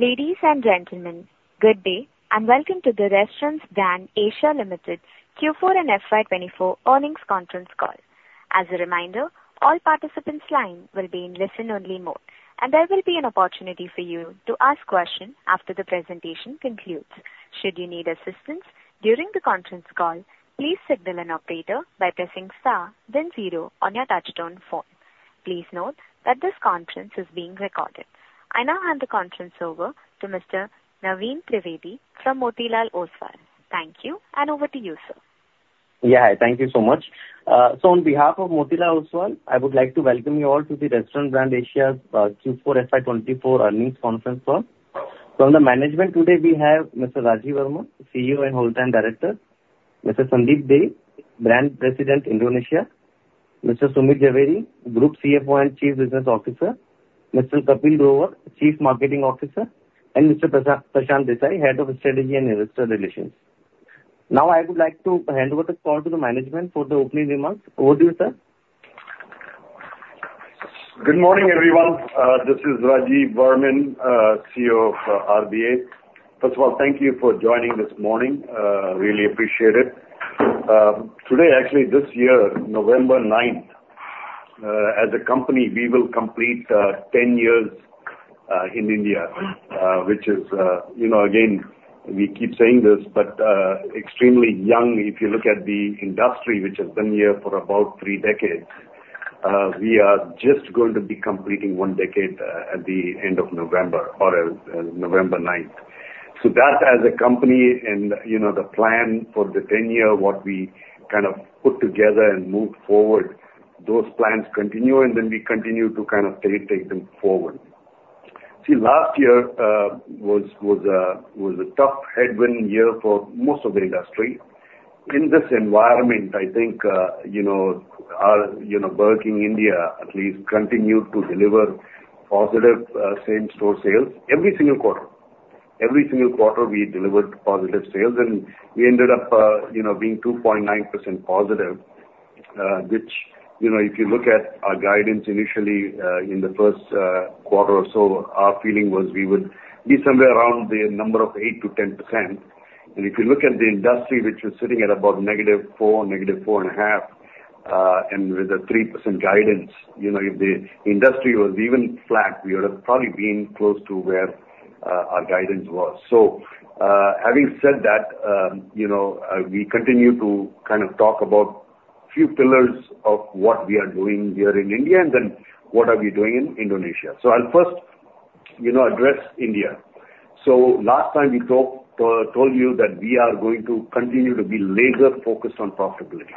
Ladies and gentlemen, good day, and welcome to the Restaurant Brands Asia Limited Q4 and FY24 Earnings Conference Call. As a reminder, all participants' line will be in listen-only mode, and there will be an opportunity for you to ask questions after the presentation concludes. Should you need assistance during the conference call, please signal an operator by pressing star then zero on your touchtone phone. Please note that this conference is being recorded. I now hand the conference over to Mr. Naveen Trivedi from Motilal Oswal. Thank you, and over to you, sir. Yeah, thank you so much. So on behalf of Motilal Oswal, I would like to welcome you all to the Restaurant Brands Asia's Q4 FY24 earnings conference call. From the management today, we have Mr. Rajeev Varman, CEO and Whole Time Director; Mr. Sandeep Dey, Brand President, Indonesia; Mr. Sumit Zaveri, Group CFO and Chief Business Officer; Mr. Kapil Grover, Chief Marketing Officer; and Mr. Prashant Desai, Head of Strategy and Investor Relations. Now, I would like to hand over the call to the management for the opening remarks. Over to you, sir. Good morning, everyone. This is Rajeev Varman, CEO of RBA. First of all, thank you for joining this morning. Really appreciate it. Today, actually, this year, November ninth, as a company, we will complete 10 years in India, which is, you know, again, we keep saying this, but extremely young. If you look at the industry, which has been here for about three decades, we are just going to be completing one decade at the end of November or November ninth. So that as a company and, you know, the plan for the 10 year, what we kind of put together and moved forward, those plans continue, and then we continue to kind of take, take them forward. See, last year was a tough headwind year for most of the industry. In this environment, I think, you know, our, you know, Burger King India at least continued to deliver positive, same-store sales every single quarter. Every single quarter, we delivered positive sales, and we ended up, you know, being 2.9% positive, which, you know, if you look at our guidance initially, in the first, quarter or so, our feeling was we would be somewhere around the number of 8%-10%. And if you look at the industry, which is sitting at about -4%, -4.5%, and with a 3% guidance, you know, if the industry was even flat, we would have probably been close to where, our guidance was. So, having said that, you know, we continue to kind of talk about few pillars of what we are doing here in India and then what are we doing in Indonesia. So I'll first, you know, address India. So last time we talked, told you that we are going to continue to be laser-focused on profitability.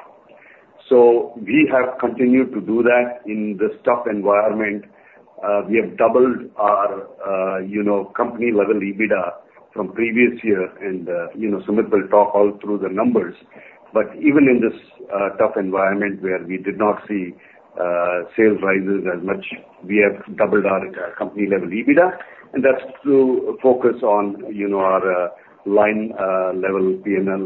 So we have continued to do that in this tough environment. We have doubled our, you know, company-level EBITDA from previous year, and, you know, Sumit will talk all through the numbers. But even in this, tough environment where we did not see, sales rises as much, we have doubled our, company-level EBITDA, and that's to focus on our, line level P&L,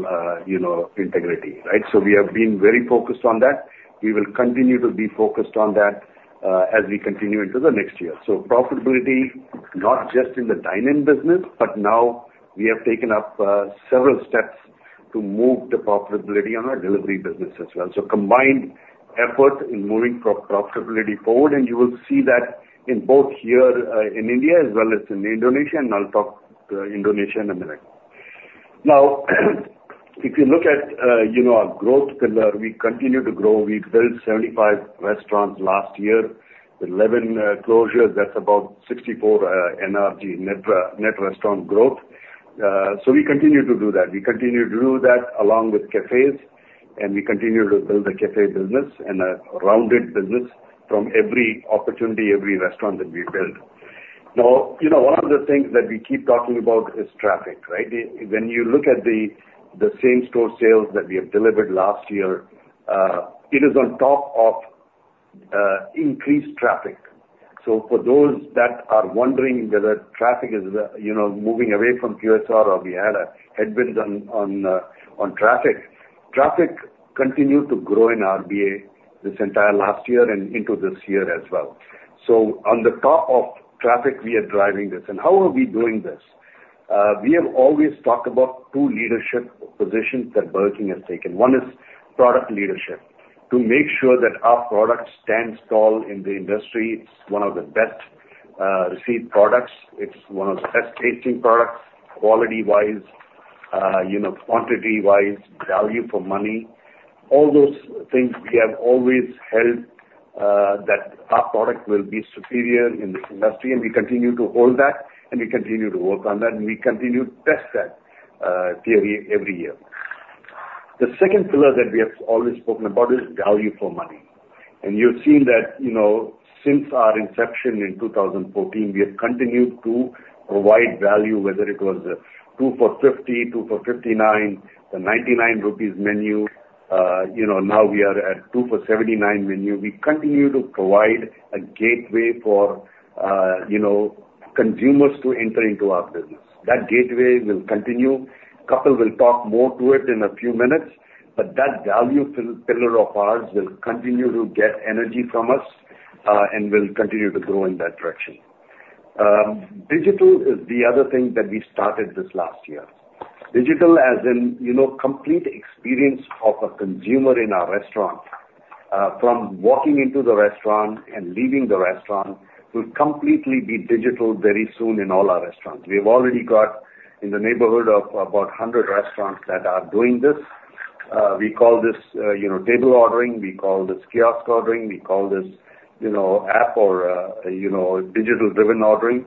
integrity, right? So we have been very focused on that. We will continue to be focused on that, as we continue into the next year. So profitability, not just in the dine-in business, but now we have taken up several steps to move the profitability on our delivery business as well. So combined effort in moving pro-profitability forward, and you will see that in both here, in India as well as in Indonesia. And I'll talk Indonesia in a minute. Now, if you look at, you know, our growth pillar, we continue to grow. We built 75 restaurants last year with 11 closures. That's about 64 NRG, net restaurant growth. So we continue to do that. We continue to do that along with cafes, and we continue to build the cafe business and a rounded business from every opportunity, every restaurant that we build. Now, you know, one of the things that we keep talking about is traffic, right? When you look at the same-store sales that we have delivered last year, it is on top of increased traffic. So for those that are wondering whether traffic is, you know, moving away from QSR or we had a headwind on, on, on traffic, traffic continued to grow in RBA this entire last year and into this year as well. So on the top of traffic, we are driving this. And how are we doing this? We have always talked about two leadership positions that Burger King has taken. One is product leadership, to make sure that our product stands tall in the industry. It's one of the best received products. It's one of the best tasting products, quality-wise, you know, quantity-wise, value for money. All those things, we have always held that our product will be superior in this industry, and we continue to hold that, and we continue to work on that, and we continue to test that theory every year. The second pillar that we have always spoken about is value for money. And you've seen that, you know, since our inception in 2014, we have continued to provide value, whether it was 2 for 50, 2 for 59, the 99 rupees menu. You know, now we are at 2 for 79 menu. We continue to provide a gateway for, you know, consumers to enter into our business. That gateway will continue. Kapil will talk more to it in a few minutes, but that value pillar of ours will continue to get energy from us, and will continue to grow in that direction. Digital is the other thing that we started this last year. Digital, as in, you know, complete experience of a consumer in our restaurant, from walking into the restaurant and leaving the restaurant, will completely be digital very soon in all our restaurants. We've already got in the neighborhood of about 100 restaurants that are doing this. We call this, you know, table ordering, we call this kiosk ordering, we call this, you know, app or, you know, digital-driven ordering,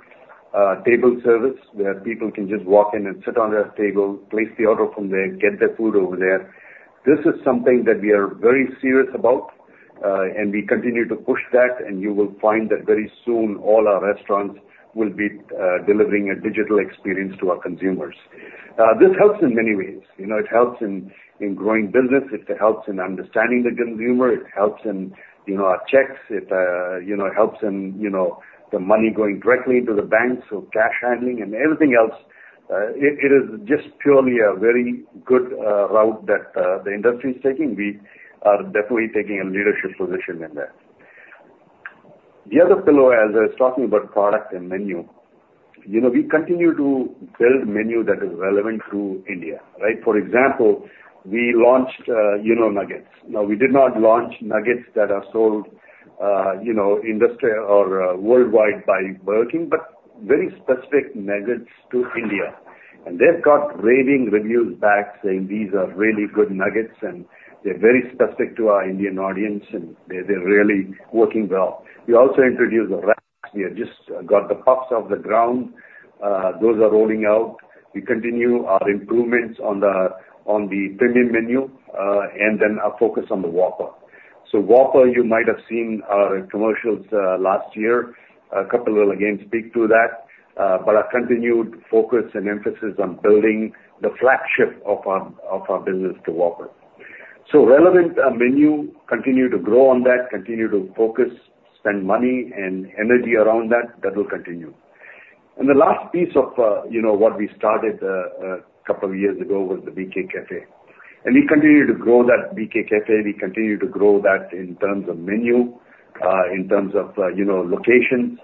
table service, where people can just walk in and sit on their table, place the order from there, get their food over there. This is something that we are very serious about, and we continue to push that, and you will find that very soon all our restaurants will be delivering a digital experience to our consumers. This helps in many ways. You know, it helps in, in growing business, it helps in understanding the consumer, it helps in, you know, our checks, it, you know, helps in, you know, the money going directly to the bank, so cash handling and everything else. It is just purely a very good route that the industry is taking. We are definitely taking a leadership position in that. The other pillar, as I was talking about product and menu, you know, we continue to build menu that is relevant to India, right? For example, we launched, you know, nuggets. Now, we did not launch nuggets that are sold, you know, industry or, worldwide by Burger King, but very specific nuggets to India. And they've got raving reviews back, saying these are really good nuggets, and they're very specific to our Indian audience, and they're really working well. We also introduced the Wraps. We have just got the Puffs off the ground. Those are rolling out. We continue our improvements on the premium menu, and then our focus on the Whopper. So Whopper, you might have seen our commercials last year. Kapil will again speak to that, but our continued focus and emphasis on building the flagship of our business to Whopper. So relevant menu, continue to grow on that, continue to focus, spend money and energy around that, that will continue. And the last piece of, you know, what we started a couple of years ago was the BK Café, and we continue to grow that BK Café. We continue to grow that in terms of menu, in terms of, you know, locations.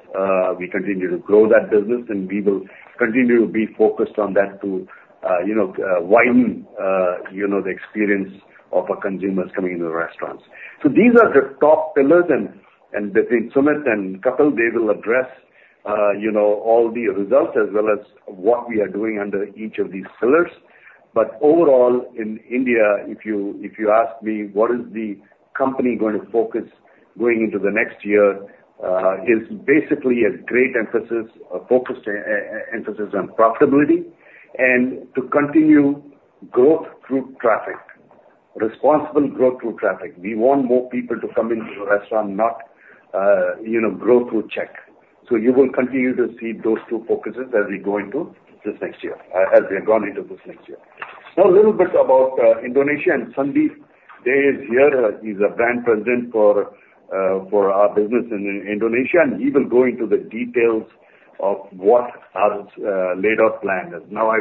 We continue to grow that business, and we will continue to be focused on that to, you know, widen, you know, the experience of our consumers coming into the restaurants. So these are the top pillars, and, and between Sumit and Kapil, they will address, you know, all the results as well as what we are doing under each of these pillars. But overall, in India, if you, if you ask me, what is the company going to focus going into the next year, is basically a great emphasis, a focused, emphasis on profitability and to continue growth through traffic, responsible growth through traffic. We want more people to come into the restaurant, not, you know, grow through check. So you will continue to see those two focuses as we go into this next year, as we have gone into this next year. Now, a little bit about Indonesia, and Sandeep, he is here. He's a brand president for our business in Indonesia, and he will go into the details of what our laid out plan is. Now,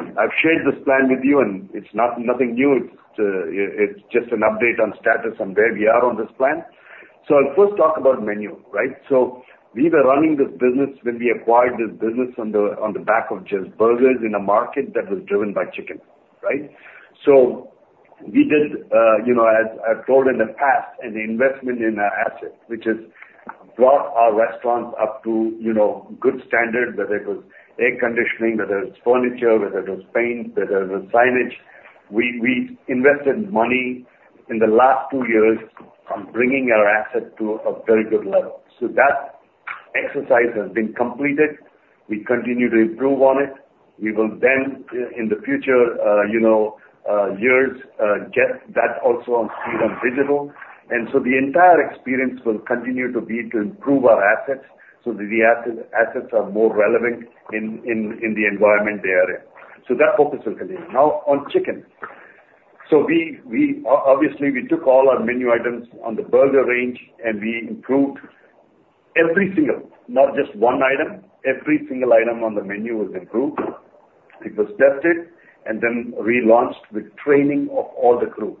I've shared this plan with you, and it's not nothing new. It's just an update on status on where we are on this plan. So I'll first talk about menu, right? So we were running this business when we acquired this business on the back of just burgers in a market that was driven by chicken, right? So we did, you know, as I've told in the past, an investment in our assets, which is brought our restaurants up to, you know, good standard, whether it was air conditioning, whether it was furniture, whether it was paint, whether it was signage. We invested money in the last two years on bringing our asset to a very good level. So that exercise has been completed. We continue to improve on it. We will then, in the future, you know, years, get that also on speed on digital. And so the entire experience will continue to be to improve our assets, so that the assets are more relevant in the environment they are in. So that focus will continue. Now, on chicken. So we obviously took all our menu items on the burger range, and we improved every single, not just one item, every single item on the menu was improved. It was tested and then relaunched with training of all the crew.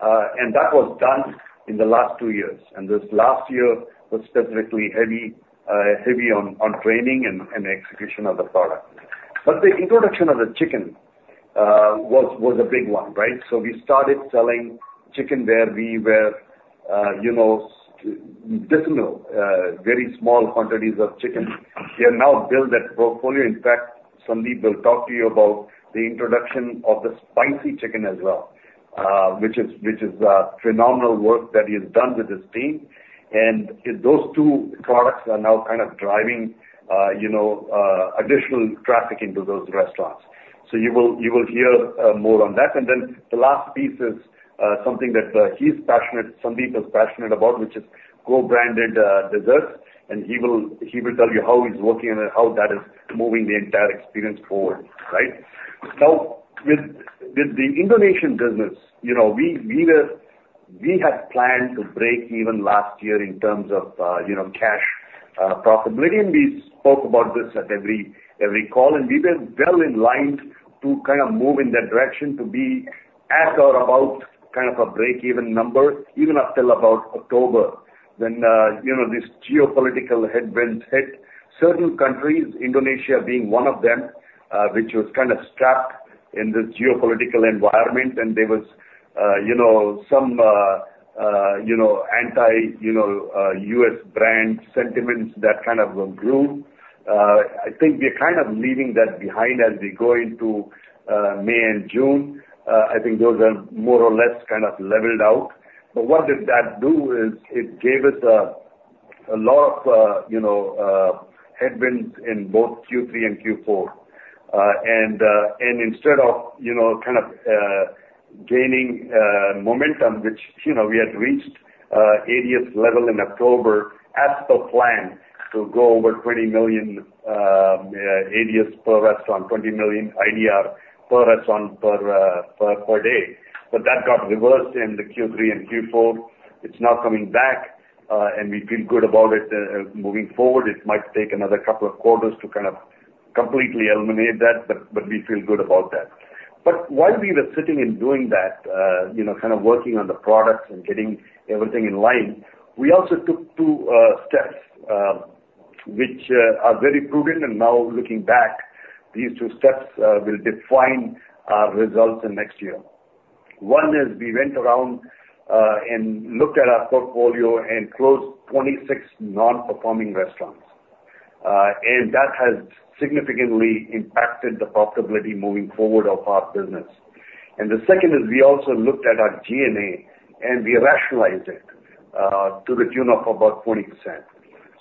And that was done in the last two years, and this last year was specifically heavy on training and execution of the product. But the introduction of the chicken was a big one, right? So we started selling chicken where we were, you know, just, you know, very small quantities of chicken. We have now built that portfolio. In fact, Sandeep will talk to you about the introduction of the spicy chicken as well, which is phenomenal work that he's done with his team. And those two products are now kind of driving, you know, additional traffic into those restaurants. So you will, you will hear, more on that. And then the last piece is, something that, he's passionate, Sandeep is passionate about, which is co-branded, desserts, and he will, he will tell you how he's working on it, how that is moving the entire experience forward, right? Now, with, with the Indonesian business, you know, we, we were- we had planned to break even last year in terms of, you know, cash, profitability, and we spoke about this at every, every call, and we were well in line to kind of move in that direction to be at or about kind of a breakeven number, even until about October, when, you know, these geopolitical headwinds hit certain countries, Indonesia being one of them, which was kind of stuck in this geopolitical environment. And there was, you know, some, you know, anti, you know, U.S. brand sentiments that kind of grew. I think we're kind of leaving that behind as we go into, May and June. I think those are more or less kind of leveled out. But what did that do is it gave us a lot of, you know, headwinds in both Q3 and Q4. And instead of, you know, kind of gaining momentum, which, you know, we had reached ADS level in October as per plan to go over 20 million ADS per restaurant, 20 million IDR per restaurant per day. But that got reversed in the Q3 and Q4. It's now coming back, and we feel good about it. Moving forward, it might take another couple of quarters to kind of completely eliminate that, but we feel good about that. But while we were sitting and doing that, you know, kind of working on the products and getting everything in line, we also took two steps, which are very prudent. And now looking back, these two steps will define our results in next year. One is we went around and looked at our portfolio and closed 26 non-performing restaurants. And that has significantly impacted the profitability moving forward of our business. And the second is we also looked at our G&A, and we rationalized it to the tune of about 20%.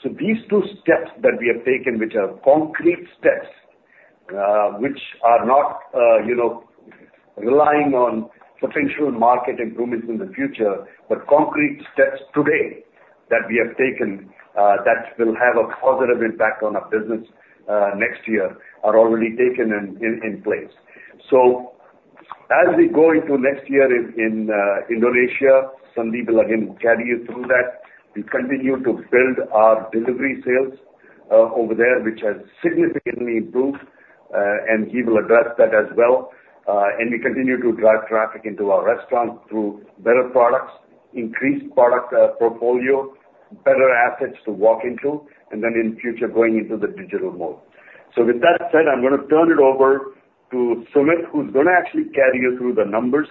So these two steps that we have taken, which are concrete steps, which are not, you know, relying on potential market improvements in the future, but concrete steps today that we have taken, that will have a positive impact on our business next year, are already taken and in Indonesia. Sandeep will again carry you through that. We continue to build our delivery sales over there, which has significantly improved, and he will address that as well. We continue to drive traffic into our restaurants through better products, increased product portfolio, better assets to walk into, and then in future, going into the digital mode. So with that said, I'm going to turn it over to Sumit, who's going to actually carry you through the numbers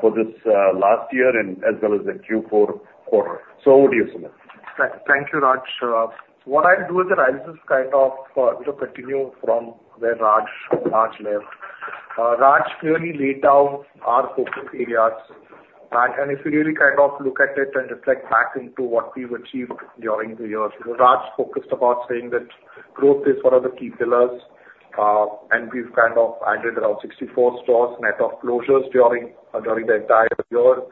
for this last year and as well as the Q4 quarter. So over to you, Sumit. Thank you, Raj. So what I'll do is that I'll just kind of, you know, continue from where Raj left. Raj clearly laid out our focus areas. And if you really kind of look at it and reflect back into what we've achieved during the year, Raj focused about saying that growth is one of the key pillars. And we've kind of added around 64 stores net of closures during the entire year.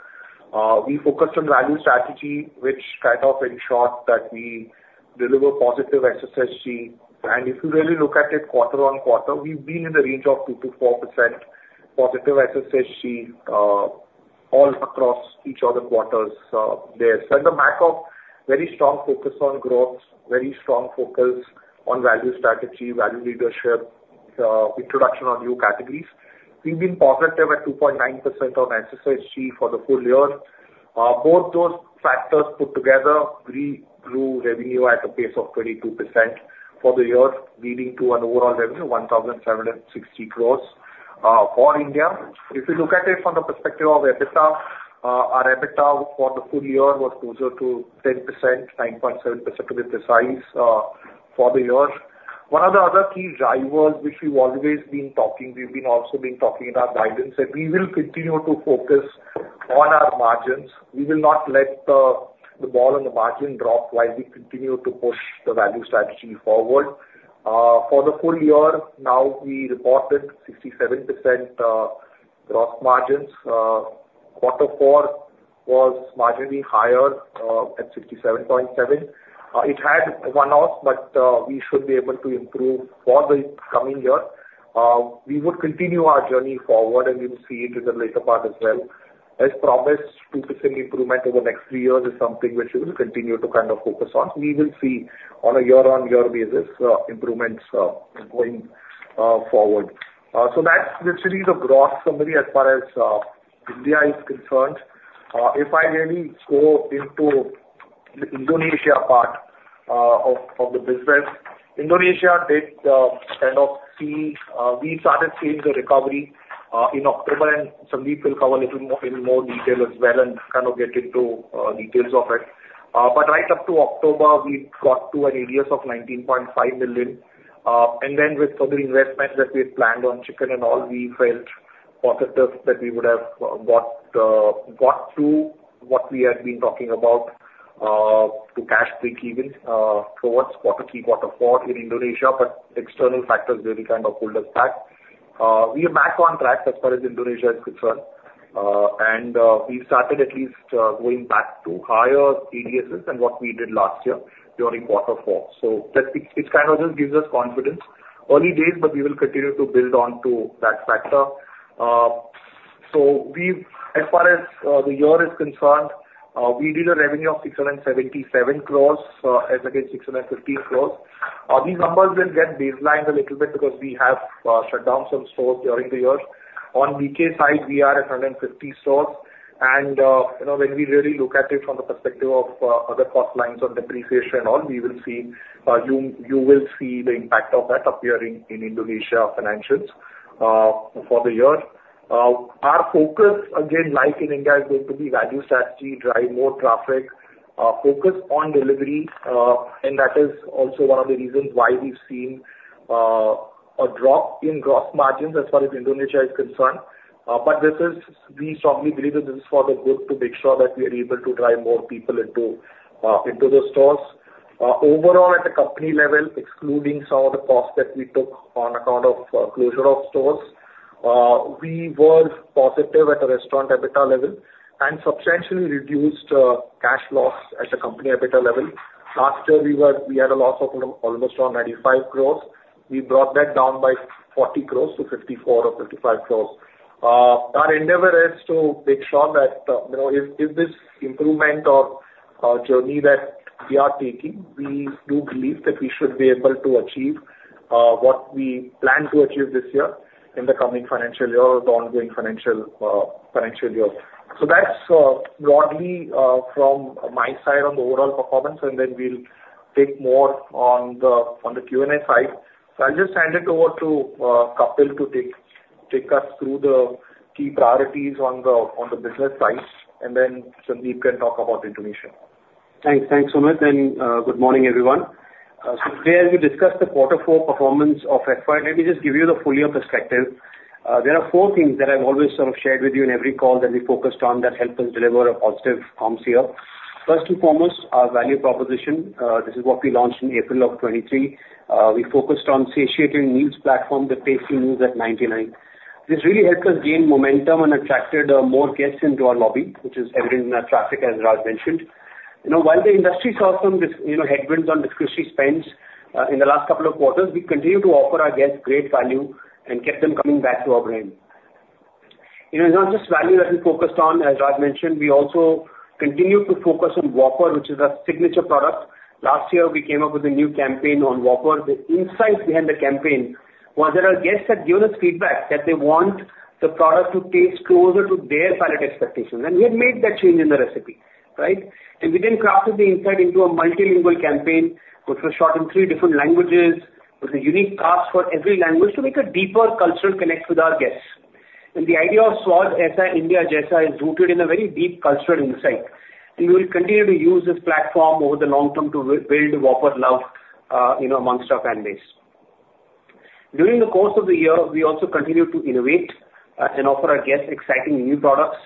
We focused on value strategy, which kind of ensured that we deliver positive SSSG. And if you really look at it quarter-on-quarter, we've been in the range of 2%-4% positive SSSG all across each of the quarters. There at the back of very strong focus on growth, very strong focus on value strategy, value leadership, introduction on new categories. We've been positive at 2.9% on SSSG for the full year. Both those factors put together, we grew revenue at a pace of 22% for the year, leading to an overall revenue 1,760 crores for India. If you look at it from the perspective of EBITDA, our EBITDA for the full year was closer to 10%, 9.7% to be precise, for the year. One of the other key drivers, which we've always been talking, we've also been talking in our guidance, that we will continue to focus on our margins. We will not let the ball on the margin drop while we continue to push the value strategy forward. For the full year now, we reported 67%, gross margins. Quarter four was marginally higher at 67.7. It had one-off, but we should be able to improve for the coming year. We would continue our journey forward, and you'll see it in the later part as well. As promised, 2% improvement over the next 3 years is something which we will continue to kind of focus on. We will see on a year-on-year basis improvements going forward. So that's literally the growth summary as far as India is concerned. If I really go into the Indonesia part of the business, Indonesia we started seeing the recovery in October, and Sandeep will cover a little more in more detail as well and kind of get into details of it. But right up to October, we got to an ADS of 19.5 million. And then with further investment that we had planned on chicken and all, we felt positive that we would have got to what we had been talking about, to cash breakeven, towards quarter, Q4 in Indonesia, but external factors really kind of pulled us back. We are back on track as far as Indonesia is concerned. And we've started at least going back to higher ADSs than what we did last year during quarter four. So that's it, it kind of just gives us confidence. Early days, but we will continue to build on to that factor. So we've, as far as, the year is concerned, we did a revenue of 677 crores, as against 650 crores. These numbers will get baselined a little bit because we have, shut down some stores during the year. On BK side, we are at 150 stores, and, you know, when we really look at it from the perspective of, other cost lines on depreciation and all, we will see, you, you will see the impact of that appearing in Indonesia financials, for the year. Our focus, again, like in India, is going to be value strategy, drive more traffic, focus on delivery, and that is also one of the reasons why we've seen, a drop in gross margins as far as Indonesia is concerned. But this is—we strongly believe that this is for the good, to make sure that we are able to drive more people into the stores. Overall, at the company level, excluding some of the costs that we took on account of closure of stores, we were positive at a restaurant EBITDA level and substantially reduced cash loss at the company EBITDA level. Last year, we had a loss of almost around 95 crores. We brought that down by 40 crores to 54 crores or 55 crores. Our endeavor is to make sure that, you know, if this improvement or journey that we are taking, we do believe that we should be able to achieve what we plan to achieve this year in the coming financial year or the ongoing financial year. So that's broadly from my side on the overall performance, and then we'll take more on the Q&A side. So I'll just hand it over to Kapil to take us through the key priorities on the business side, and then Sandeep can talk about Indonesia. Thanks. Thanks, Sumit, and good morning, everyone. So today, as we discuss the Quarter Four performance of the Company, let me just give you the full year perspective. There are four things that I've always sort of shared with you in every call that we focused on that helped us deliver positive outcomes here. First and foremost, our value proposition. This is what we launched in April of 2023. We focused on satiating needs platform with Tasty Meals at 99. This really helped us gain momentum and attracted more guests into our lobby, which is evident in our traffic, as Raj mentioned. You know, while the industry saw some, you know, headwinds on discretionary spends in the last couple of quarters, we continued to offer our guests great value and get them coming back to our brand. You know, it's not just value that we focused on, as Raj mentioned, we also continued to focus on Whopper, which is our signature product. Last year, we came up with a new campaign on Whopper. The insight behind the campaign was that our guests had given us feedback that they want the product to taste closer to their palate expectations, and we had made that change in the recipe, right? We then crafted the insight into a multilingual campaign, which was shot in three different languages, with a unique cast for every language to make a deeper cultural connect with our guests. The idea of Swaad Aisa India Jaisa is rooted in a very deep cultural insight, and we will continue to use this platform over the long term to build Whopper love, you know, amongst our fan base. During the course of the year, we also continued to innovate, and offer our guests exciting new products.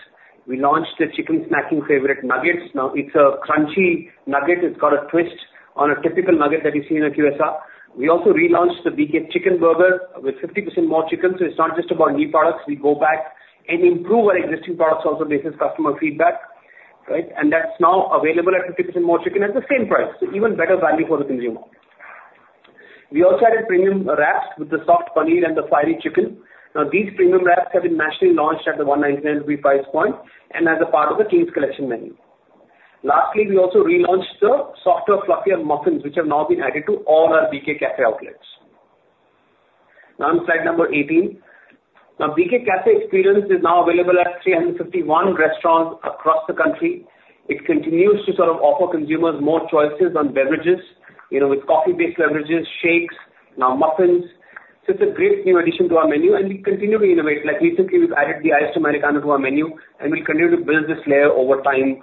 We launched the Chicken Snacking Favorite Nuggets. Now, it's a crunchy nugget. It's got a twist on a typical nugget that you see in a QSR. We also relaunched the BK Chicken Burger with 50% more chicken, so it's not just about new products. We go back and improve our existing products also based on customer feedback, right? And that's now available at 50% more chicken at the same price, so even better value for the consumer. We also added premium wraps with the soft paneer and the fiery chicken. Now, these premium wraps have been nationally launched at the 199 rupees price point and as a part of the King's Collection menu. Lastly, we also relaunched the softer, fluffier muffins, which have now been added to all our BK Café outlets. Now, on slide number 18. Now, BK Café experience is now available at 351 restaurants across the country. It continues to sort of offer consumers more choices on beverages, you know, with coffee-based beverages, shakes, now muffins. So it's a great new addition to our menu, and we continue to innovate. Like recently, we've added the Iced Americano to our menu, and we'll continue to build this layer over time,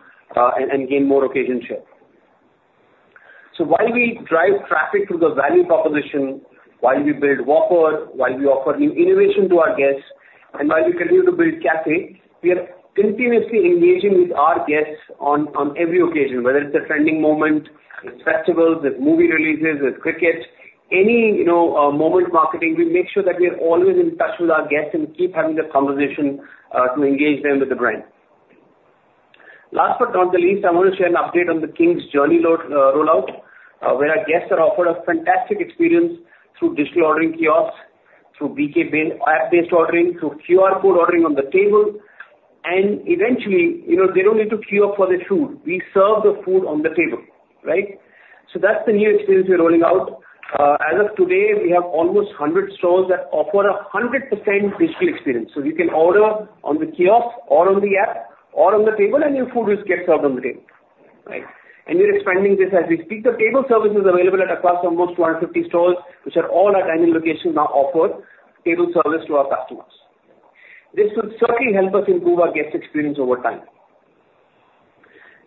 and gain more occasion share. So while we drive traffic through the value proposition, while we build Whopper, while we offer new innovation to our guests, and while we continue to build café, we are continuously engaging with our guests on every occasion, whether it's a trending moment, it's festivals, it's movie releases, it's cricket. Any, you know, moment marketing, we make sure that we are always in touch with our guests and keep having the conversation to engage them with the brand. Last but not least, I want to share an update on the King's digital rollout, where our guests are offered a fantastic experience through digital ordering kiosks, through BK app, app-based ordering, through QR code ordering on the table, and eventually, you know, they don't need to queue up for their food. We serve the food on the table, right? So that's the new experience we're rolling out. As of today, we have almost 100 stores that offer a 100% digital experience. So you can order on the kiosk or on the app or on the table, and your food will get served on the table, right? And we're expanding this as we speak. The table service is available across almost 250 stores, which are all our dining locations now offer table service to our customers. This will certainly help us improve our guest experience over time.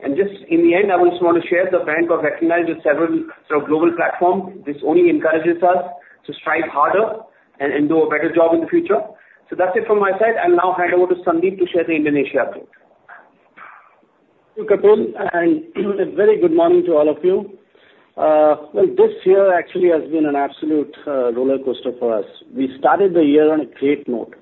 And just in the end, I also want to share the brand was recognized with several sort of global platforms. This only encourages us to strive harder and, and do a better job in the future. So that's it from my side. I'll now hand over to Sandeep to share the Indonesia update. Thank you, Kapil, and a very good morning to all of you. Well, this year actually has been an absolute rollercoaster for us. We started the year on a great note.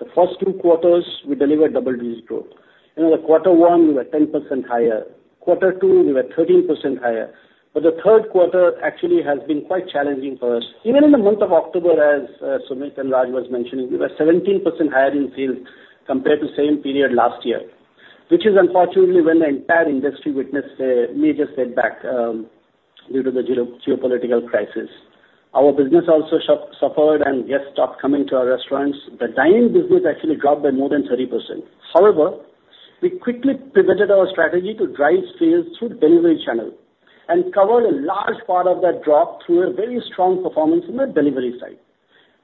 The first two quarters, we delivered double-digit growth. You know, the quarter one, we were 10% higher. Quarter two, we were 13% higher. But the third quarter actually has been quite challenging for us. Even in the month of October, as Sumit and Raj was mentioning, we were 17% higher in sales compared to same period last year, which is unfortunately when the entire industry witnessed a major setback due to the geopolitical crisis. Our business also suffered and guests stopped coming to our restaurants. The dine-in business actually dropped by more than 30%. However, we quickly pivoted our strategy to drive sales through the delivery channel and covered a large part of that drop through a very strong performance in the delivery side.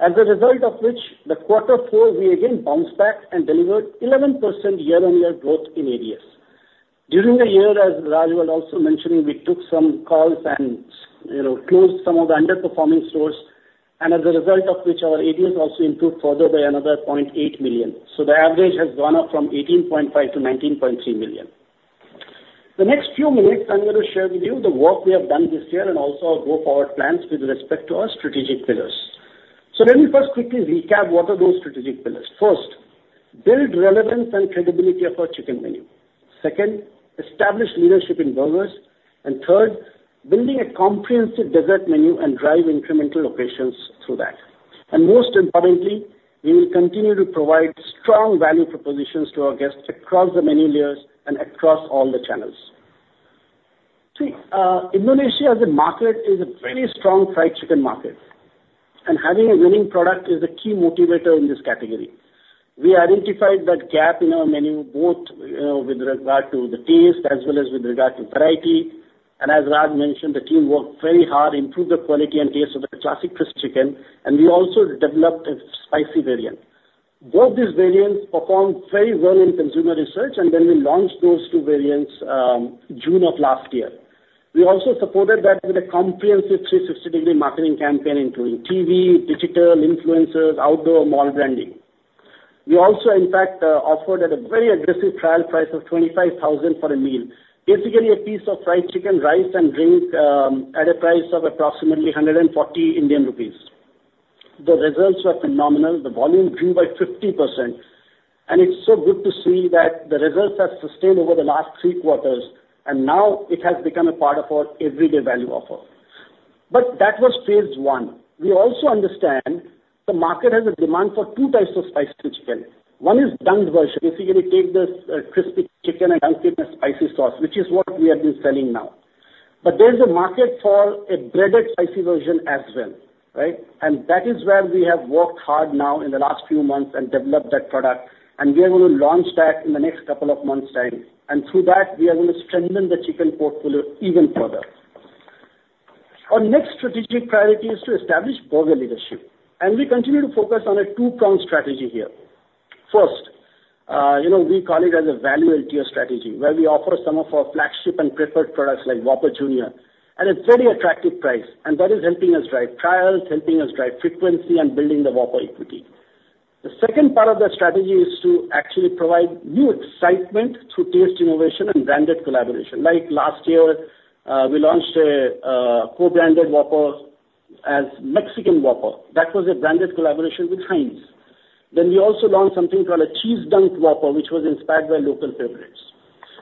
As a result of which, the quarter four, we again bounced back and delivered 11% year-on-year growth in ADS. During the year, as Raj was also mentioning, we took some calls and, you know, closed some of the underperforming stores, and as a result of which, our ADS also improved further by another 0.8 million. So the average has gone up from 18.5 million to 19.3 million. The next few minutes, I'm gonna share with you the work we have done this year and also our go-forward plans with respect to our strategic pillars. So let me first quickly recap what are those strategic pillars. First, build relevance and credibility of our chicken menu. Second, establish leadership in burgers. And third, building a comprehensive dessert menu and drive incremental locations through that. And most importantly, we will continue to provide strong value propositions to our guests across the menu layers and across all the channels. See, Indonesia as a market is a very strong fried chicken market, and having a winning product is a key motivator in this category. We identified that gap in our menu, both, you know, with regard to the taste as well as with regard to variety. And as Raj mentioned, the team worked very hard to improve the quality and taste of the Classic Crispy Chicken, and we also developed a spicy variant. Both these variants performed very well in consumer research, and then we launched those two variants, June of last year. We also supported that with a comprehensive 360-degree marketing campaign, including TV, digital, influencers, outdoor mall branding. We also, in fact, offered at a very aggressive trial price of 25,000 for a meal. Basically, a piece of fried chicken, rice, and drink at a price of approximately 140 Indian rupees. The results were phenomenal. The volume grew by 50%, and it's so good to see that the results have sustained over the last three quarters, and now it has become a part of our everyday value offer. But that was phase I. We also understand the market has a demand for two types of spicy chicken. One is dunked version. Basically, take the crispy chicken and dunk it in a spicy sauce, which is what we have been selling now. But there's a market for a breaded spicy version as well, right? And that is where we have worked hard now in the last few months and developed that product, and we are going to launch that in the next couple of months' time. And through that, we are going to strengthen the chicken portfolio even further. Our next strategic priority is to establish burger leadership, and we continue to focus on a two-pronged strategy here. First, you know, we call it as a value and tier strategy, where we offer some of our flagship and preferred products like Whopper Jr., at a very attractive price, and that is helping us drive trials, helping us drive frequency and building the Whopper equity. The second part of the strategy is to actually provide new excitement through taste innovation and branded collaboration. Like last year, we launched a co-branded Whopper as Mexican Whopper. That was a branded collaboration with Heinz. Then we also launched something called a Cheese Dunk Whopper, which was inspired by local favorites.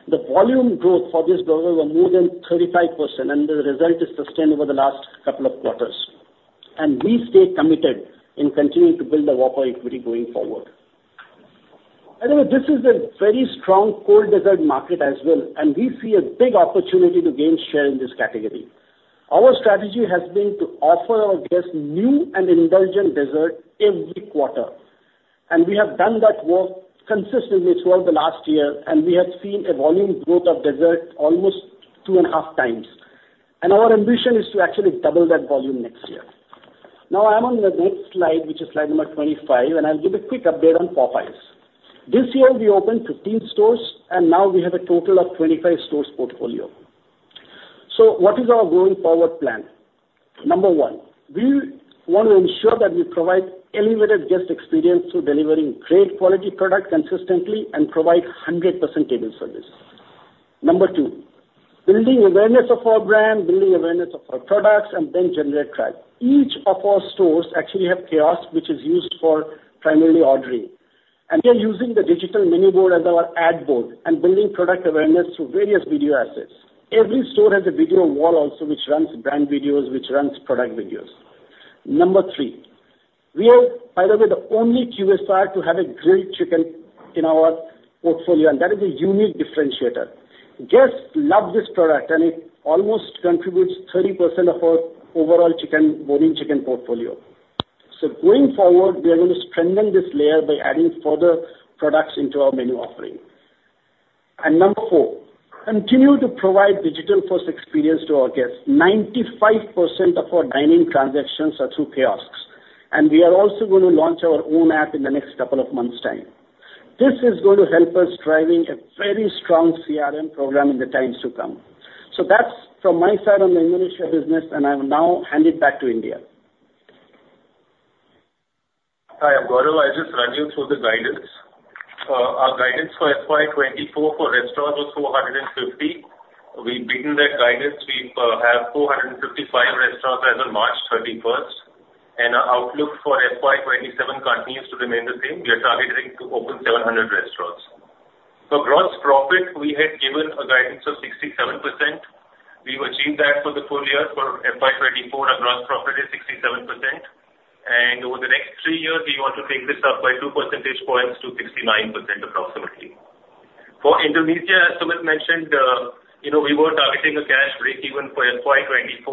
The volume growth for this burger was more than 35%, and the result is sustained over the last couple of quarters. We stay committed in continuing to build the Whopper equity going forward. Anyway, this is a very strong cold dessert market as well, and we see a big opportunity to gain share in this category. Our strategy has been to offer our guests new and indulgent dessert every quarter, and we have done that work consistently throughout the last year, and we have seen a volume growth of dessert almost 2.5x. Our ambition is to actually double that volume next year. Now I'm on the next slide, which is slide number 25, and I'll give a quick update on Popeyes. This year we opened 15 stores, and now we have a total of 25 stores portfolio. So what is our going forward plan? Number one, we want to ensure that we provide elevated guest experience through delivering great quality product consistently and provide 100% table service. Number two, building awareness of our brand, building awareness of our products, and then generate traffic. Each of our stores actually have kiosk, which is used for primarily ordering, and we are using the digital menu board as our ad board and building product awareness through various video assets. Every store has a video wall also, which runs brand videos, which runs product videos. Number three, we are, by the way, the only QSR to have a grilled chicken in our portfolio, and that is a unique differentiator. Guests love this product, and it almost contributes 30% of our overall chicken, volume chicken portfolio. So going forward, we are going to strengthen this layer by adding further products into our menu offering. Number four, continue to provide digital-first experience to our guests. 95% of our dining transactions are through kiosks, and we are also going to launch our own app in the next couple of months' time. This is going to help us driving a very strong CRM program in the times to come. So that's from my side on the Indonesia business, and I will now hand it back to India. Hi, I'm Gaurav. I'll just run you through the guidance. Our guidance for FY24 for restaurants was 400 and we've beaten that guidance. We have 455 restaurants as of March 31, and our outlook for FY 2027 continues to remain the same. We are targeting to open 700 restaurants. For gross profit, we had given a guidance of 67%. We've achieved that for the full year. For FY 2024, our gross profit is 67%, and over the next three years, we want to take this up by two percentage points to 69% approximately. For Indonesia, as Sumit mentioned, you know, we were targeting a cash breakeven for FY 2024.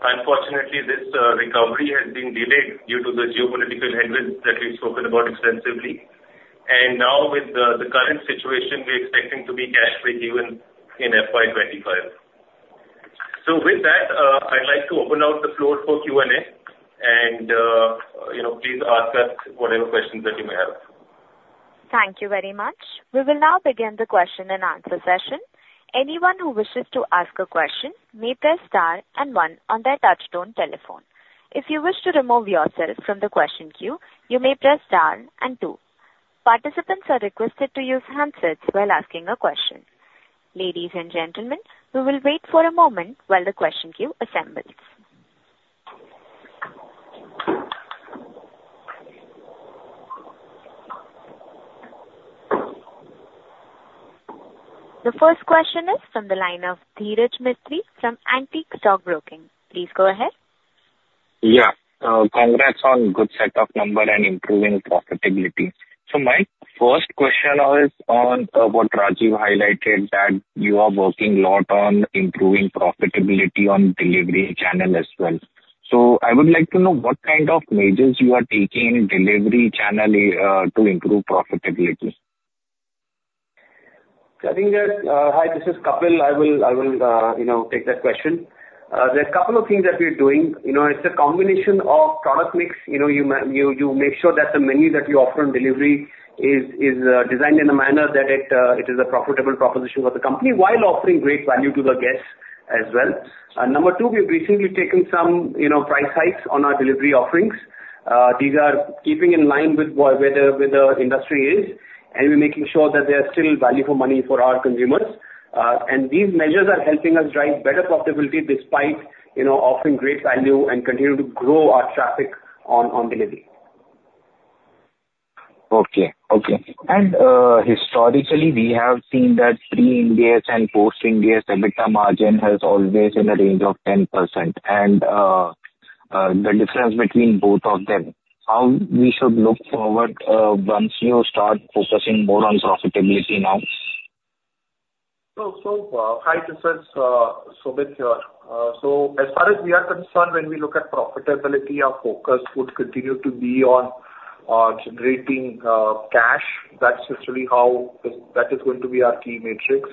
Unfortunately, this recovery has been delayed due to the geopolitical headwinds that we've spoken about extensively. And now with the current situation, we're expecting to be cash breakeven in FY 2025. So with that, I'd like to open up the floor for Q&A, and, you know, please ask us whatever questions that you may have. Thank you very much. We will now begin the question and answer session. Anyone who wishes to ask a question may press star and one on their touchtone telephone. If you wish to remove yourself from the question queue, you may press star and two. Participants are requested to use handsets while asking a question. Ladies and gentlemen, we will wait for a moment while the question queue assembles. The first question is from the line of Dhiraj Mistry from Antique Stock Broking. Please go ahead. Yeah. Congrats on good set of numbers and improving profitability. So my first question is on what Rajeev highlighted, that you are working a lot on improving profitability on delivery channel as well. So I would like to know what kind of measures you are taking in delivery channel to improve profitability? So I think that, hi, this is Kapil. I will, you know, take that question. There are a couple of things that we're doing. You know, it's a combination of product mix. You know, you make sure that the menu that you offer on delivery is designed in a manner that it is a profitable proposition for the company while offering great value to the guests as well. Number two, we've recently taken some, you know, price hikes on our delivery offerings. These are keeping in line with where the industry is, and we're making sure that they are still value for money for our consumers. And these measures are helping us drive better profitability despite, you know, offering great value and continue to grow our traffic on delivery. Okay. Okay. And, historically, we have seen that pre-Ind AS and post-Ind AS, EBITDA margin has always in a range of 10%. And, the difference between both of them, how we should look forward, once you start focusing more on profitability now? Hi, this is Sumit here. So as far as we are concerned, when we look at profitability, our focus would continue to be on generating cash. That's literally how that is going to be our key matrix.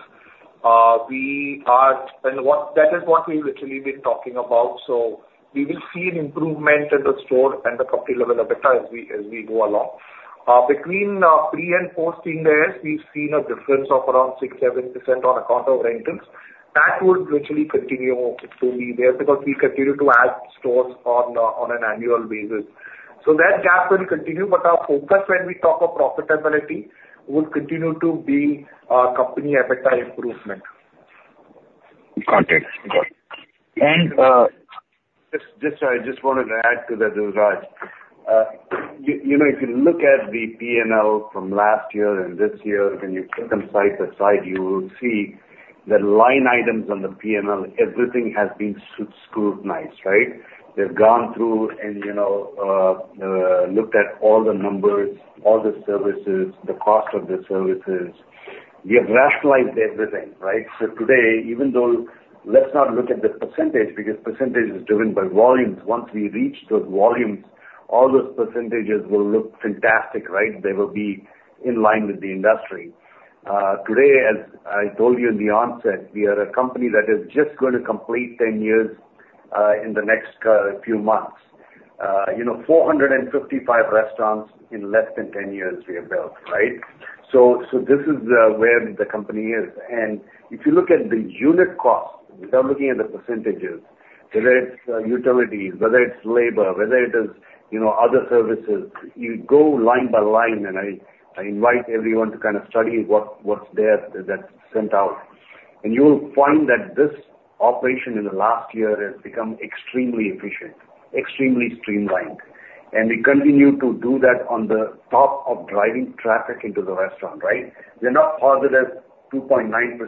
That is what we've literally been talking about. So we will see an improvement in the store and the company level EBITDA as we go along. Between pre and post Ind AS, we've seen a difference of around 6%-7% on account of rentals. That would virtually continue to be there, because we continue to add stores on an annual basis. So that gap will continue, but our focus when we talk of profitability will continue to be company EBITDA improvement. Got it. Got it. And, I just wanted to add to that, Dhiraj. You know, if you look at the P&L from last year and this year, when you put them side by side, you will see the line items on the P&L, everything has been scrutinized, right? They've gone through and, you know, looked at all the numbers, all the services, the cost of the services. We have rationalized everything, right? So today, even though let's not look at the percentage, because percentage is driven by volumes. Once we reach those volumes, all those percentages will look fantastic, right? They will be in line with the industry. Today, as I told you in the onset, we are a company that is just going to complete 10 years in the next few months. You know, 455 restaurants in less than 10 years we have built, right? So, so this is where the company is. And if you look at the unit cost, without looking at the percentages, whether it's utilities, whether it's labor, whether it is, you know, other services, you go line by line, and I, I invite everyone to kind of study what, what's there that's sent out. And you will find that this operation in the last year has become extremely efficient, extremely streamlined. And we continue to do that on the top of driving traffic into the restaurant, right? We're not positive 2.9%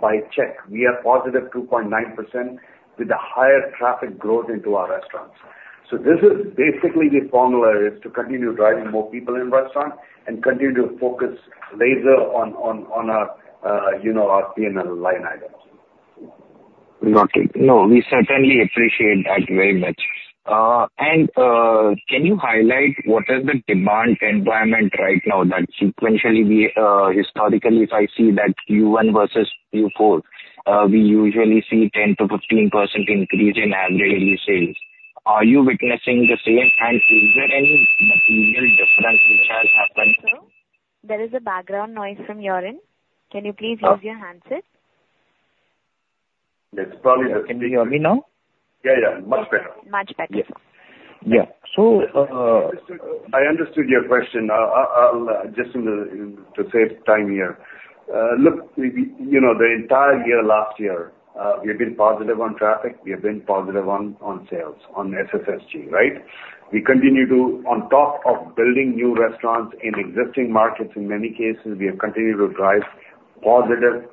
by check. We are positive 2.9% with the higher traffic growth into our restaurants. This is basically the formula, is to continue driving more people in restaurant and continue to focus laser on our, you know, our P&L line items. Got it. No, we certainly appreciate that very much. And, can you highlight what is the demand environment right now. Historically, if I see that Q1 versus Q4, we usually see 10%-15% increase in average daily sales. Are you witnessing the same? And is there any material difference which has happened? Sir, there is a background noise from your end. Can you please use your handset? Yes, probably- Can you hear me now? Yeah, yeah, much better. Much better. Yeah. So, I understood, I understood your question. I'll just to save time here. Look, we you know, the entire year last year, we have been positive on traffic, we have been positive on sales, on SSSG, right? We continue to, on top of building new restaurants in existing markets, in many cases, we have continued to drive positive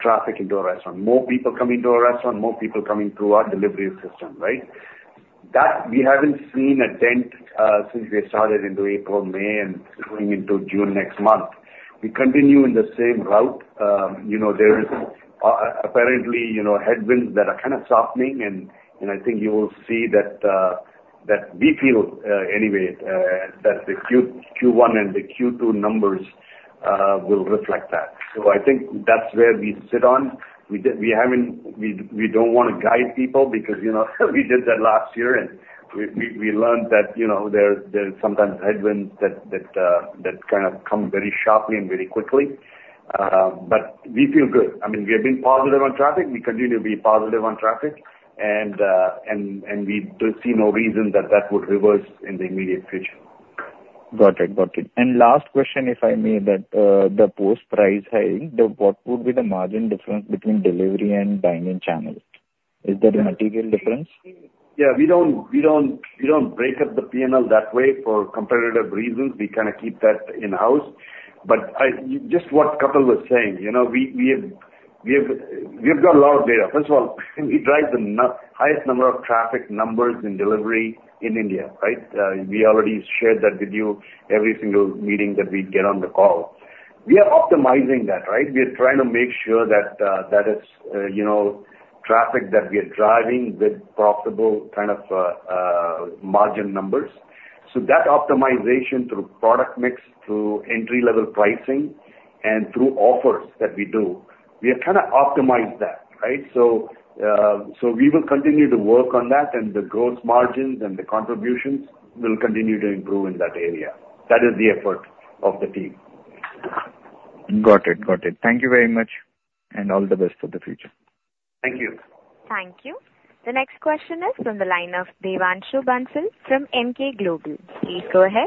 traffic into our restaurant. More people coming to our restaurant, more people coming through our delivery system, right? That we haven't seen a dent since we started into April, May, and going into June next month. We continue in the same route. You know, there is apparently, you know, headwinds that are kind of softening, and I think you will see that, that we feel, anyway, that the Q1 and the Q2 numbers will reflect that. So I think that's where we sit on. We haven't—we don't want to guide people because, you know, we did that last year, and we learned that, you know, there is sometimes headwinds that that kind of come very sharply and very quickly. But we feel good. I mean, we have been positive on traffic. We continue to be positive on traffic, and we do see no reason that that would reverse in the immediate future. Got it. Got it. And last question, if I may, the post price hiking, what would be the margin difference between delivery and dine-in channels? Is there a material difference? Yeah, we don't, we don't, we don't break up the P&L that way for competitive reasons. We kind of keep that in-house. Just what Kapil was saying, you know, we, we have, we have, we have got a lot of data. First of all, we drive the highest number of traffic numbers in delivery in India, right? We already shared that with you every single meeting that we get on the call. We are optimizing that, right? We are trying to make sure that that is, you know, traffic that we are driving with profitable kind of margin numbers. So that optimization through product mix, through entry-level pricing, and through offers that we do, we have kind of optimized that, right? So, we will continue to work on that, and the growth margins and the contributions will continue to improve in that area. That is the effort of the team. Got it. Got it. Thank you very much, and all the best for the future. Thank you. Thank you. The next question is from the line of Devanshu Bansal from Emkay Global. Please go ahead.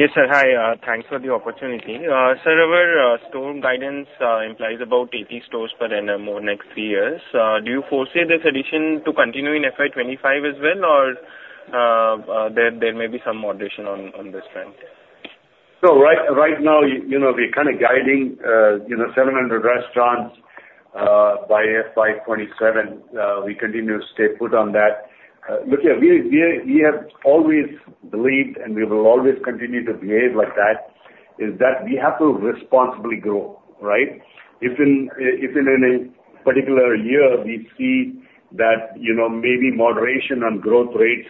Yes, sir. Hi, thanks for the opportunity. Sir, our store guidance implies about 80 stores per annum over next three years. Do you foresee this addition to continue in FY 2025 as well, or there may be some moderation on this trend? So right, right now, you know, we're kind of guiding, you know, 700 restaurants, by FY27. We continue to stay put on that. Look, yeah, we, we, we have always believed, and we will always continue to behave like that, is that we have to responsibly grow, right? If in, if in any particular year we see that, you know, maybe moderation on growth rates,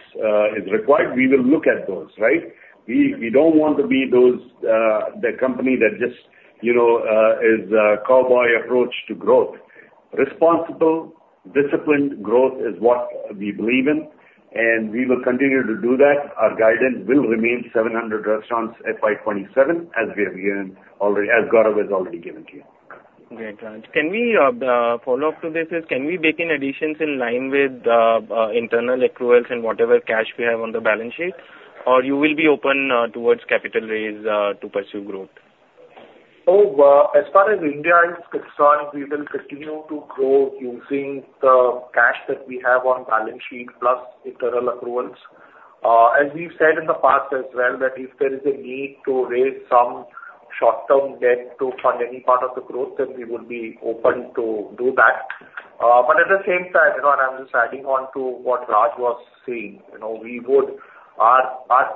is required, we will look at those, right? We, we don't want to be those, the company that just, you know, is a cowboy approach to growth. Responsible, disciplined growth is what we believe in, and we will continue to do that. Our guidance will remain 700 restaurants, FY27, as we have given already, as Gaurav has already given to you. Great, Raj. Can we follow up to this is: Can we make any additions in line with internal accruals and whatever cash we have on the balance sheet, or you will be open towards capital raise to pursue growth? So, as far as India is concerned, we will continue to grow using the cash that we have on balance sheet plus internal accruals. As we've said in the past as well, that if there is a need to raise some short-term debt to fund any part of the growth, then we will be open to do that. But at the same time, you know, and I'm just adding on to what Raj was saying, our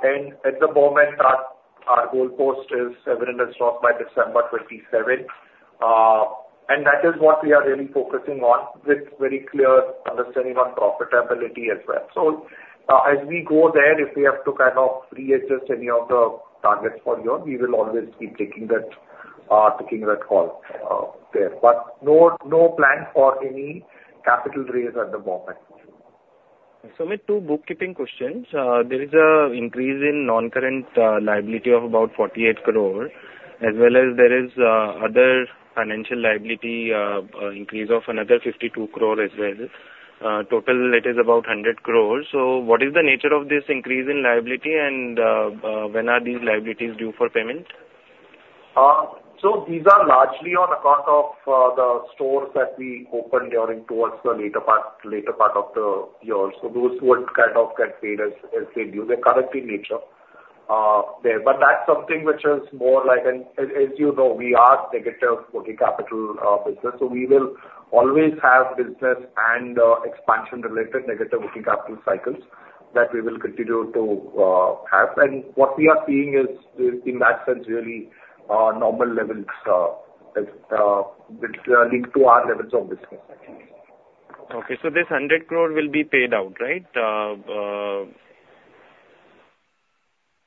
end at the moment, our goalpost is 700 stores by December 2027, and that is what we are really focusing on, with very clear understanding on profitability as well. So, as we go there, if we have to kind of re-adjust any of the targets for you, we will always keep taking that, taking that call, there. But no, no plan for any capital raise at the moment. So maybe two bookkeeping questions. There is an increase in non-current liability of about 48 crore, as well as there is other financial liability increase of another 52 crore as well. Total, it is about 100 crore. So what is the nature of this increase in liability, and when are these liabilities due for payment? So these are largely on account of the stores that we opened during towards the later part, later part of the year. So those would kind of get paid as, as they due. They're current in nature, there. But that's something which is more like we are negative working capital business, so we will always have business and expansion-related negative working capital cycles that we will continue to have. And what we are seeing is in that sense really normal levels as which link to our levels of business. Okay. So this 100 crore will be paid out, right?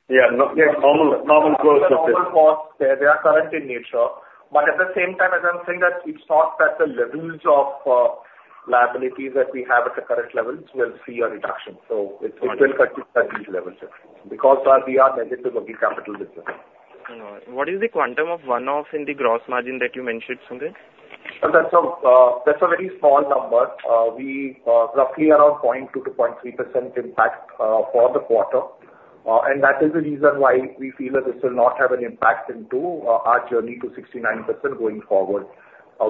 Yeah. No, normal, normal course of business. Normal course. They are current in nature, but at the same time, as I'm saying, that it's not that the levels of liabilities that we have at the current levels will see a reduction. So it will continue at these levels because we are negative working capital business. What is the quantum of one-off in the gross margin that you mentioned, Sundar? Well, that's a very small number. We roughly around 0.2%-0.3% impact for the quarter. And that is the reason why we feel that this will not have an impact into our journey to 69% going forward.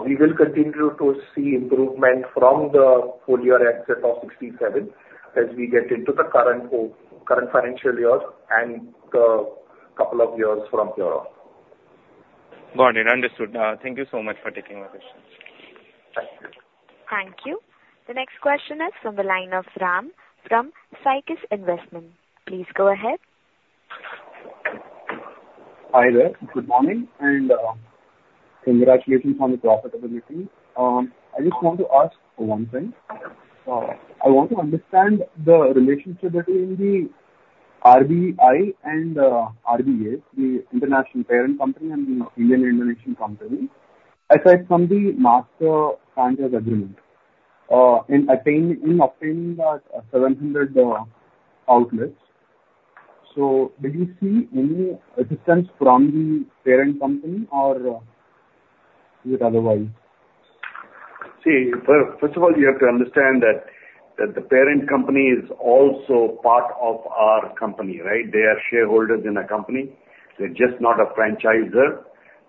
We will continue to see improvement from the full year exit of 67 as we get into the current financial year and a couple of years from here on. Got it. Understood. Thank you so much for taking my question. Thank you. Thank you. The next question is from the line of Ram from Cycas Investment. Please go ahead. Hi there. Good morning, and, congratulations on the profitability. I just want to ask one thing. I want to understand the relationship between the RBI and, RBA, the international parent company and the Indian Indonesian company, aside from the master franchise agreement, in obtaining the 700 outlets. So did you see any assistance from the parent company or, is it otherwise? See, first of all, you have to understand that the parent company is also part of our company, right? They are shareholders in our company. They're just not a franchisor,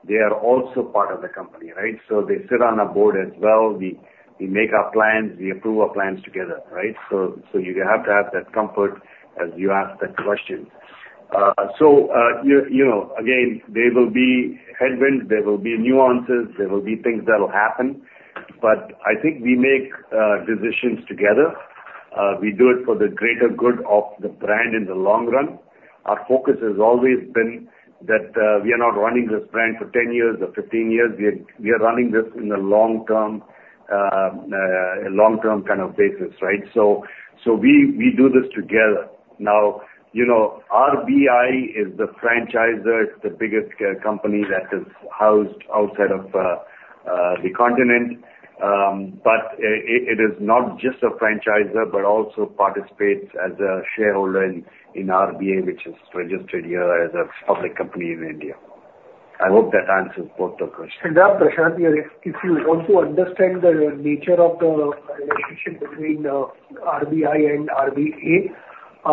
they are also part of the company, right? So they sit on our board as well. We make our plans, we approve our plans together, right? So you have to have that comfort as you ask that question. So, you know, again, there will be headwinds, there will be nuances, there will be things that will happen, but I think we make decisions together. We do it for the greater good of the brand in the long run. Our focus has always been that we are not running this brand for 10 years or 15 years, we are running this in the long term, a long-term kind of basis, right? So we do this together. Now, you know, RBI is the franchisor, it's the biggest company that is housed outside of the continent. But it is not just a franchisor, but also participates as a shareholder in RBA, which is registered here as a public company in India. I hope that answers both the question. Prashant, yeah, if you want to understand the nature of the relationship between RBI and RBA, you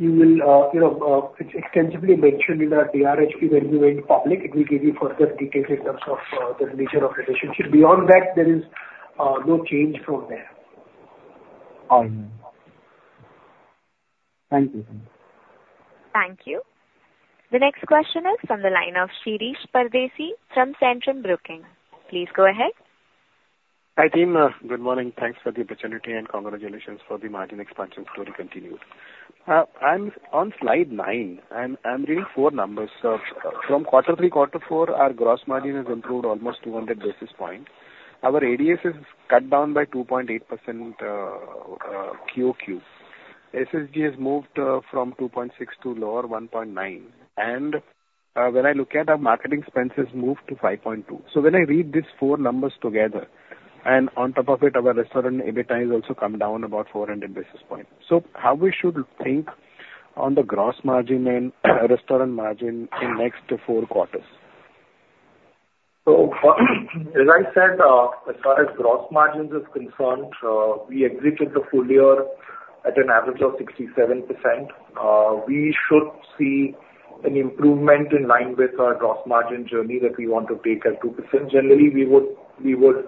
will, you know, it's extensively mentioned in our DRHP when we went public. It will give you further details in terms of the nature of relationship. Beyond that, there is no change from there. All right. Thank you. Thank you. The next question is from the line of Shirish Pardeshi from Centrum Broking. Please go ahead. Hi, team. Good morning. Thanks for the opportunity, and congratulations for the margin expansion story continued. I'm on slide 9, and I'm reading four numbers. From quarter 3, quarter 4, our gross margin has improved almost 200 basis points. Our ADS is cut down by 2.8%, QoQ. SSG has moved from 2.6 to lower 1.9. When I look at our marketing expenses moved to 5.2. So when I read these four numbers together, and on top of it, our restaurant EBITDA has also come down about 400 basis points. So how we should think on the gross margin and restaurant margin in next four quarters? As I said, as far as gross margins is concerned, we exited the full year at an average of 67%. We should see an improvement in line with our gross margin journey that we want to take at 2%. Generally, we would,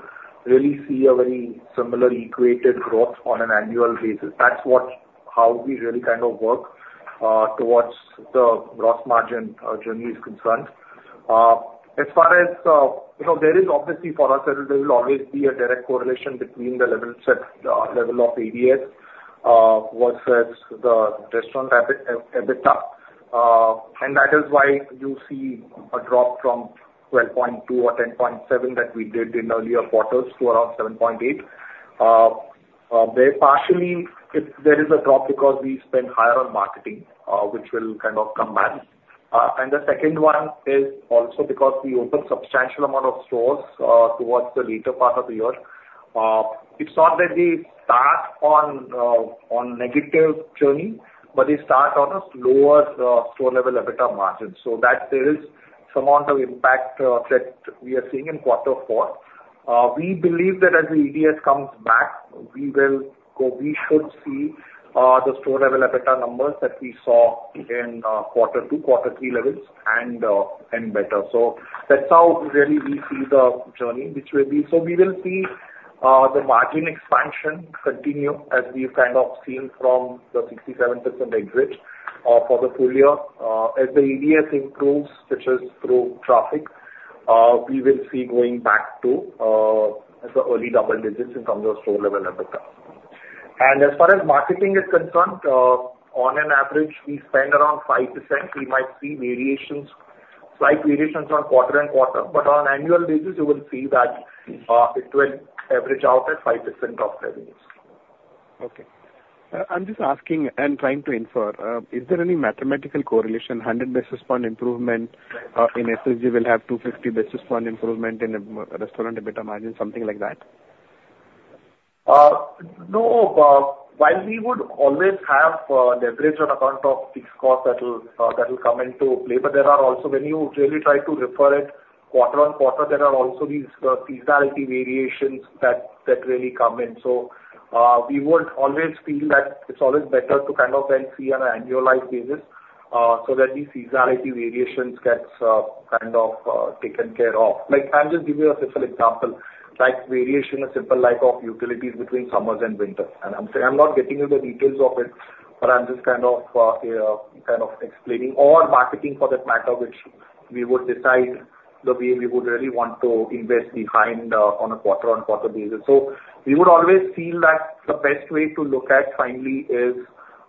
we would really see a very similar equated growth on an annual basis. That's what, how we really kind of work, towards the gross margin, journey is concerned. As far as, you know, there is obviously for us, there will always be a direct correlation between the level set, level of ADS, versus the restaurant EBIT, EBITDA. And that is why you see a drop from 12.2 or 10.7 that we did in earlier quarters to around 7.8. Very partially, there is a drop because we spent higher on marketing, which will kind of come back. And the second one is also because we opened substantial amount of stores towards the later part of the year. It's not that we start on on negative journey, but we start on a lower store level EBITDA margin. So that there is some of the impact that we are seeing in quarter four. We believe that as the ADS comes back, we should see the store level EBITDA numbers that we saw in quarter two, quarter three levels and and better. So that's how really we see the journey. We will see the margin expansion continue as we've kind of seen from the 67% exit for the full year. As the ADS improves, which is through traffic, we will see going back to the early double digits in terms of store level EBITDA. As far as marketing is concerned, on an average, we spend around 5%. We might see variations, slight variations on quarter and quarter, but on annual basis, you will see that it will average out at 5% of revenues. Okay. I'm just asking and trying to infer, is there any mathematical correlation, 100 basis point improvement in SSG will have 250 basis point improvement in restaurant EBITDA margin, something like that? No, while we would always have leverage on account of fixed costs that will come into play, but there are also, when you really try to refer it quarter-on-quarter, there are also these seasonality variations that really come in. So, we would always feel that it's always better to kind of then see on an annualized basis, so that the seasonality variations gets kind of taken care of. Like, I'll just give you a simple example, like variation, a simple like of utilities between summers and winter. And I'm saying I'm not getting into the details of it, but I'm just kind of kind of explaining or marketing for that matter, which we would decide the way we would really want to invest behind on a quarter-on-quarter basis. So we would always feel that the best way to look at finally is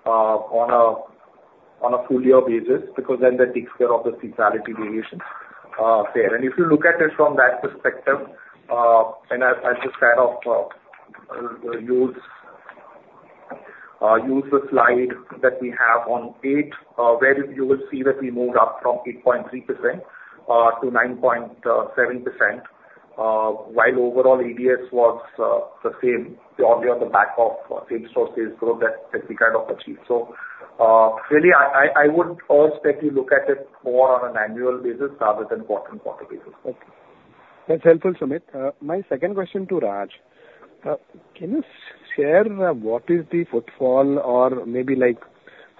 on a full year basis, because then that takes care of the seasonality variations there. And if you look at it from that perspective, and I, I'll just kind of use the slide that we have on 8, where you will see that we moved up from 8.3% to 9.7%, while overall ADS was the same, purely on the back of same-store sales growth that we kind of achieved. So really, I would expect you look at it more on an annual basis rather than quarter-on-quarter basis. Okay. That's helpful, Sumit. My second question to Raj: Can you share what is the footfall or maybe like,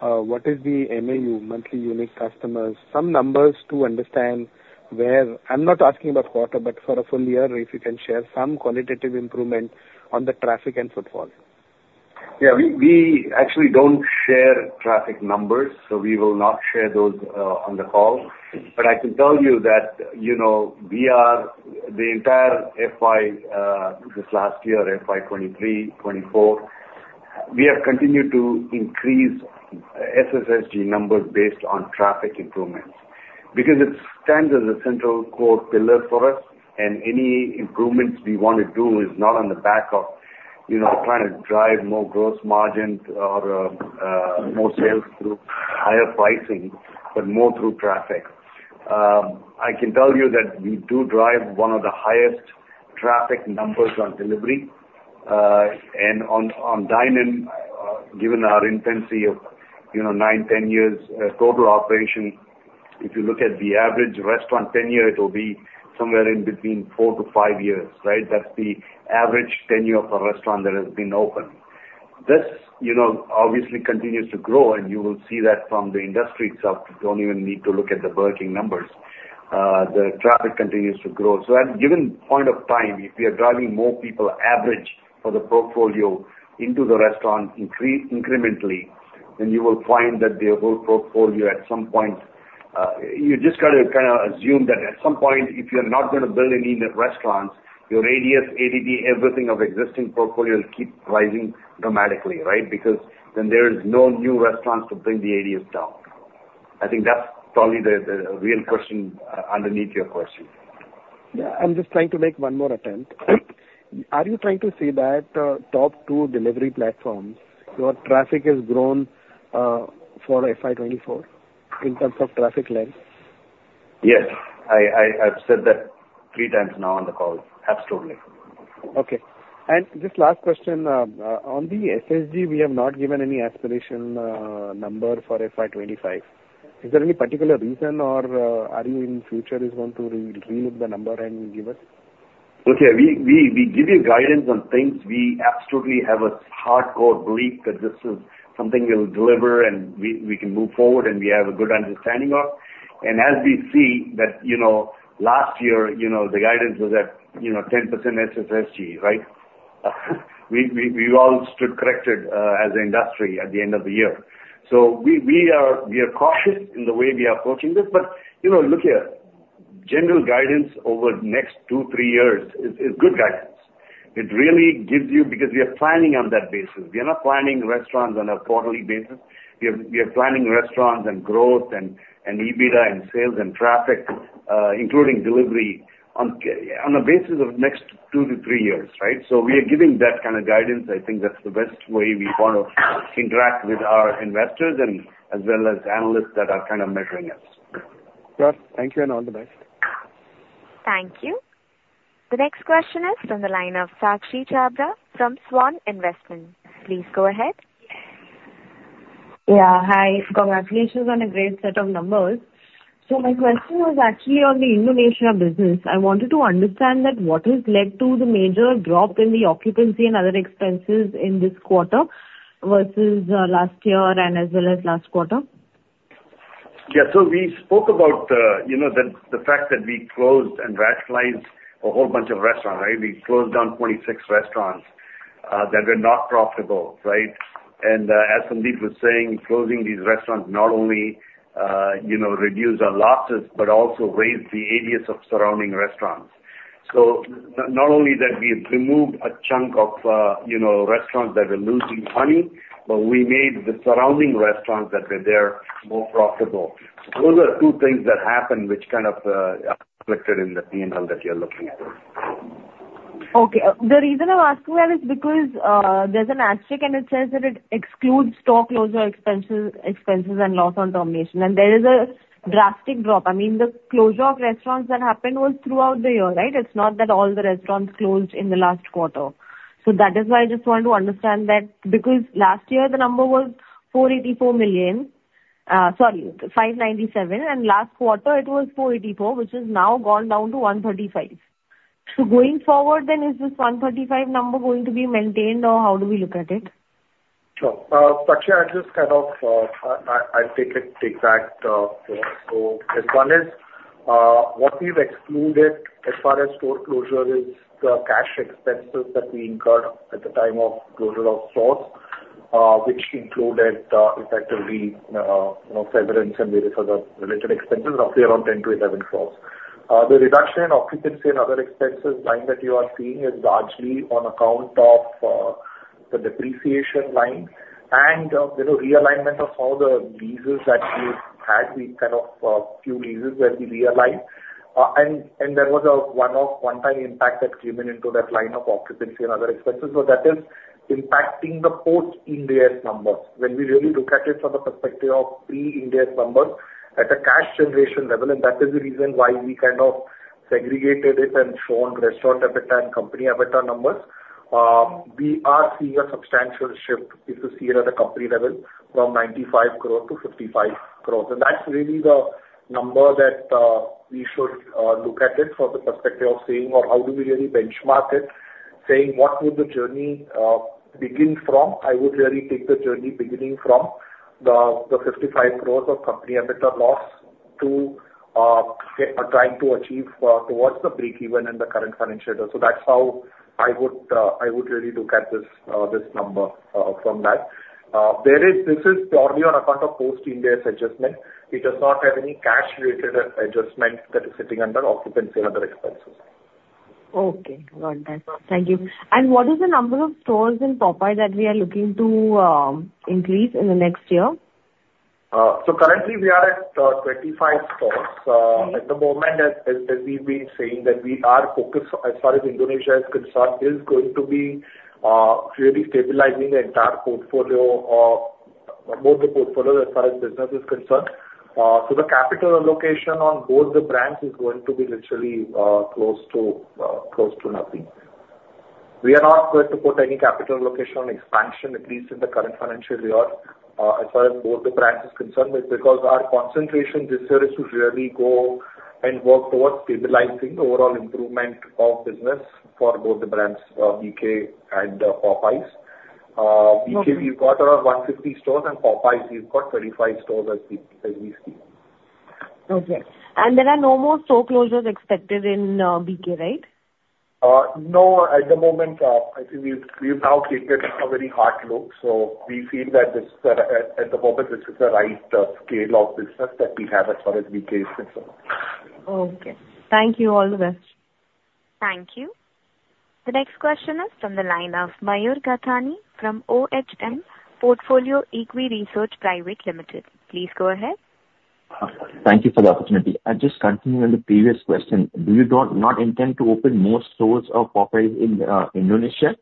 what is the MAU, monthly unique customers? Some numbers to understand, I'm not asking about quarter, but for a full year, if you can share some qualitative improvement on the traffic and footfall. Yeah. We, we actually don't share traffic numbers, so we will not share those, on the call. But I can tell you that, you know, we are the entire FY, this last year, FY 23-24, we have continued to increase SSSG numbers based on traffic improvements. Because it stands as a central core pillar for us, and any improvements we want to do is not on the back of, you know, trying to drive more gross margin or, more sales through higher pricing, but more through traffic. I can tell you that we do drive one of the highest traffic numbers on delivery, and on, on dine-in, given our intensity of, you know, 9-10 years, total operation, if you look at the average restaurant tenure, it will be somewhere in between 4-5 years, right? That's the average tenure of a restaurant that has been open. This, you know, obviously continues to grow, and you will see that from the industry itself. You don't even need to look at the Burger King numbers. The traffic continues to grow. So at a given point of time, if we are driving more people average for the portfolio into the restaurant incrementally, then you will find that the whole portfolio at some point, you just got to kind of assume that at some point, if you're not going to build any new restaurants, your ADS, ADB, everything of existing portfolio will keep rising dramatically, right? Because then there is no new restaurants to bring the ADS down. I think that's probably the real question underneath your question. Yeah, I'm just trying to make one more attempt. Are you trying to say that top two delivery platforms, your traffic has grown for FY24 in terms of traffic length? Yes, I've said that three times now on the call. Absolutely. Okay. And just last question, on the SSG, we have not given any aspiration, number for FY25. Is there any particular reason or, are you in future is going to re-renew the number and give us? Look, here, we give you guidance on things. We absolutely have a hardcore belief that this is something we'll deliver, and we can move forward, and we have a good understanding of. And as we see that, you know, last year, you know, the guidance was at, you know, 10% SSSG, right? We all stood corrected as an industry at the end of the year. So we are cautious in the way we are approaching this. But, you know, look here, general guidance over the next two, three years is good guidance. Because we are planning on that basis. We are not planning restaurants on a quarterly basis. We are planning restaurants and growth and EBITDA and sales and traffic, including delivery, on a basis of next 2-3 years, right? So we are giving that kind of guidance. I think that's the best way we want to interact with our investors and as well as analysts that are kind of measuring us. Sure. Thank you, and all the best. Thank you. The next question is from the line of Sakshi Chhabra from Swan Investments. Please go ahead. Yeah, hi. Congratulations on a great set of numbers. So my question was actually on the Indonesia business. I wanted to understand that what has led to the major drop in the occupancy and other expenses in this quarter versus last year and as well as last quarter? Yeah. So we spoke about, you know, the fact that we closed and rationalized a whole bunch of restaurants, right? We closed down 26 restaurants that were not profitable, right? And, as Sandeep was saying, closing these restaurants not only, you know, reduced our losses, but also raised the ADS of surrounding restaurants. So not only that, we've removed a chunk of, you know, restaurants that were losing money, but we made the surrounding restaurants that were there more profitable. Those are two things that happened, which kind of reflected in the PNL that you're looking at. Okay. The reason I'm asking that is because, there's an asterisk, and it says that it excludes store closure expenses, expenses and loss on termination, and there is a drastic drop. I mean, the closure of restaurants that happened was throughout the year, right? It's not that all the restaurants closed in the last quarter. So that is why I just want to understand that, because last year the number was 484 million, sorry, 597 million, and last quarter it was 484 million, which has now gone down to 135 million. So going forward then, is this 135 million number going to be maintained, or how do we look at it? Sure. Sakshi, I'll just kind of, I’ll take it the exact, so as one is, what we've excluded as far as store closure is the cash expenses that we incurred at the time of closure of stores, which included, effectively, you know, severance and various other related expenses of around 10-11 stores. The reduction in occupancy and other expenses line that you are seeing is largely on account of, the depreciation line and, you know, realignment of all the leases that we've had, we kind of few leases that we realized. And, and there was a one-off, one-time impact that came in into that line of occupancy and other expenses. So that is impacting the post-Ind AS number. When we really look at it from the perspective of pre-Ind AS numbers, at a cash generation level, and that is the reason why we kind of segregated it and shown restaurant EBITDA and company EBITDA numbers. We are seeing a substantial shift if you see it at a company level, from 95 crore to 55 crore. And that's really the number that, we should, look at it from the perspective of saying or how do we really benchmark it? Saying, what would the journey, begin from? I would really take the journey beginning from the, the 55 crore of company EBITDA loss to, trying to achieve, towards the breakeven in the current financial year. So that's how I would, I would really look at this, this number, from that. There is—this is purely on account of post-Ind AS adjustment. It does not have any cash-related adjustment that is sitting under occupancy and other expenses. Okay, got that. Thank you. And what is the number of stores in Popeyes that we are looking to increase in the next year? So currently we are at 25 stores.At the moment, as we've been saying, that we are focused as far as Indonesia is concerned, is going to be, really stabilizing the entire portfolio of both the portfolio as far as business is concerned. So the capital allocation on both the brands is going to be literally, close to, close to nothing. We are not going to put any capital allocation on expansion, at least in the current financial year, as far as both the brands is concerned, because our concentration this year is to really go and work towards stabilizing the overall improvement of business for both the brands, BK and, Popeyes. Okay. BK, we've got around 150 stores, and Popeyes, we've got 35 stores as we, as we speak. Okay. And there are no more store closures expected in BK, right? No, at the moment, I think we've now taken a very hard look, so we feel that this, at the moment, this is the right scale of business that we have as far as BK is concerned. Okay. Thank you. All the best. Thank you. The next question is from the line of Mayur Gathani from Ohm Portfolio Equity Research Private Limited. Please go ahead. Thank you for the opportunity. I'll just continue on the previous question. Do you not intend to open more stores of Popeyes in Indonesia?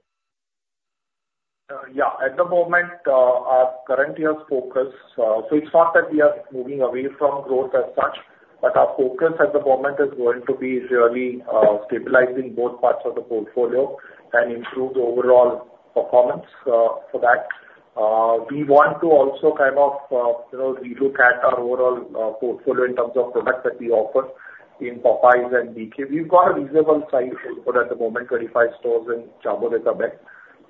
Yeah. At the moment, our current year's focus, so it's not that we are moving away from growth as such, but our focus at the moment is going to be really, stabilizing both parts of the portfolio and improve the overall performance. For that, we want to also kind of, you know, relook at our overall, portfolio in terms of products that we offer in Popeyes and BK. We've got a reasonable size for it at the moment, 35 stores in Jabodetabek is back.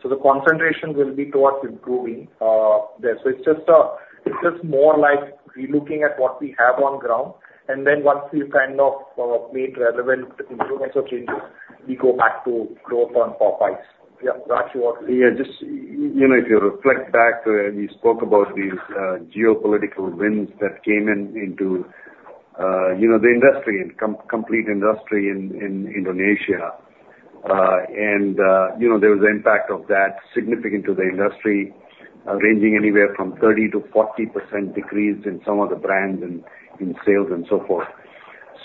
So the concentration will be towards improving, there. So it's just, it's just more like relooking at what we have on ground, and then once we've kind of, made relevant improvements or changes, we go back to growth on Popeyes. Yeah, Rajeev? Yeah, just, you know, if you reflect back to when we spoke about these, geopolitical winds that came in, into, you know, the industry and complete industry in, in Indonesia. And, you know, there was impact of that significant to the industry, ranging anywhere from 30%-40% decrease in some of the brands and in sales and so forth.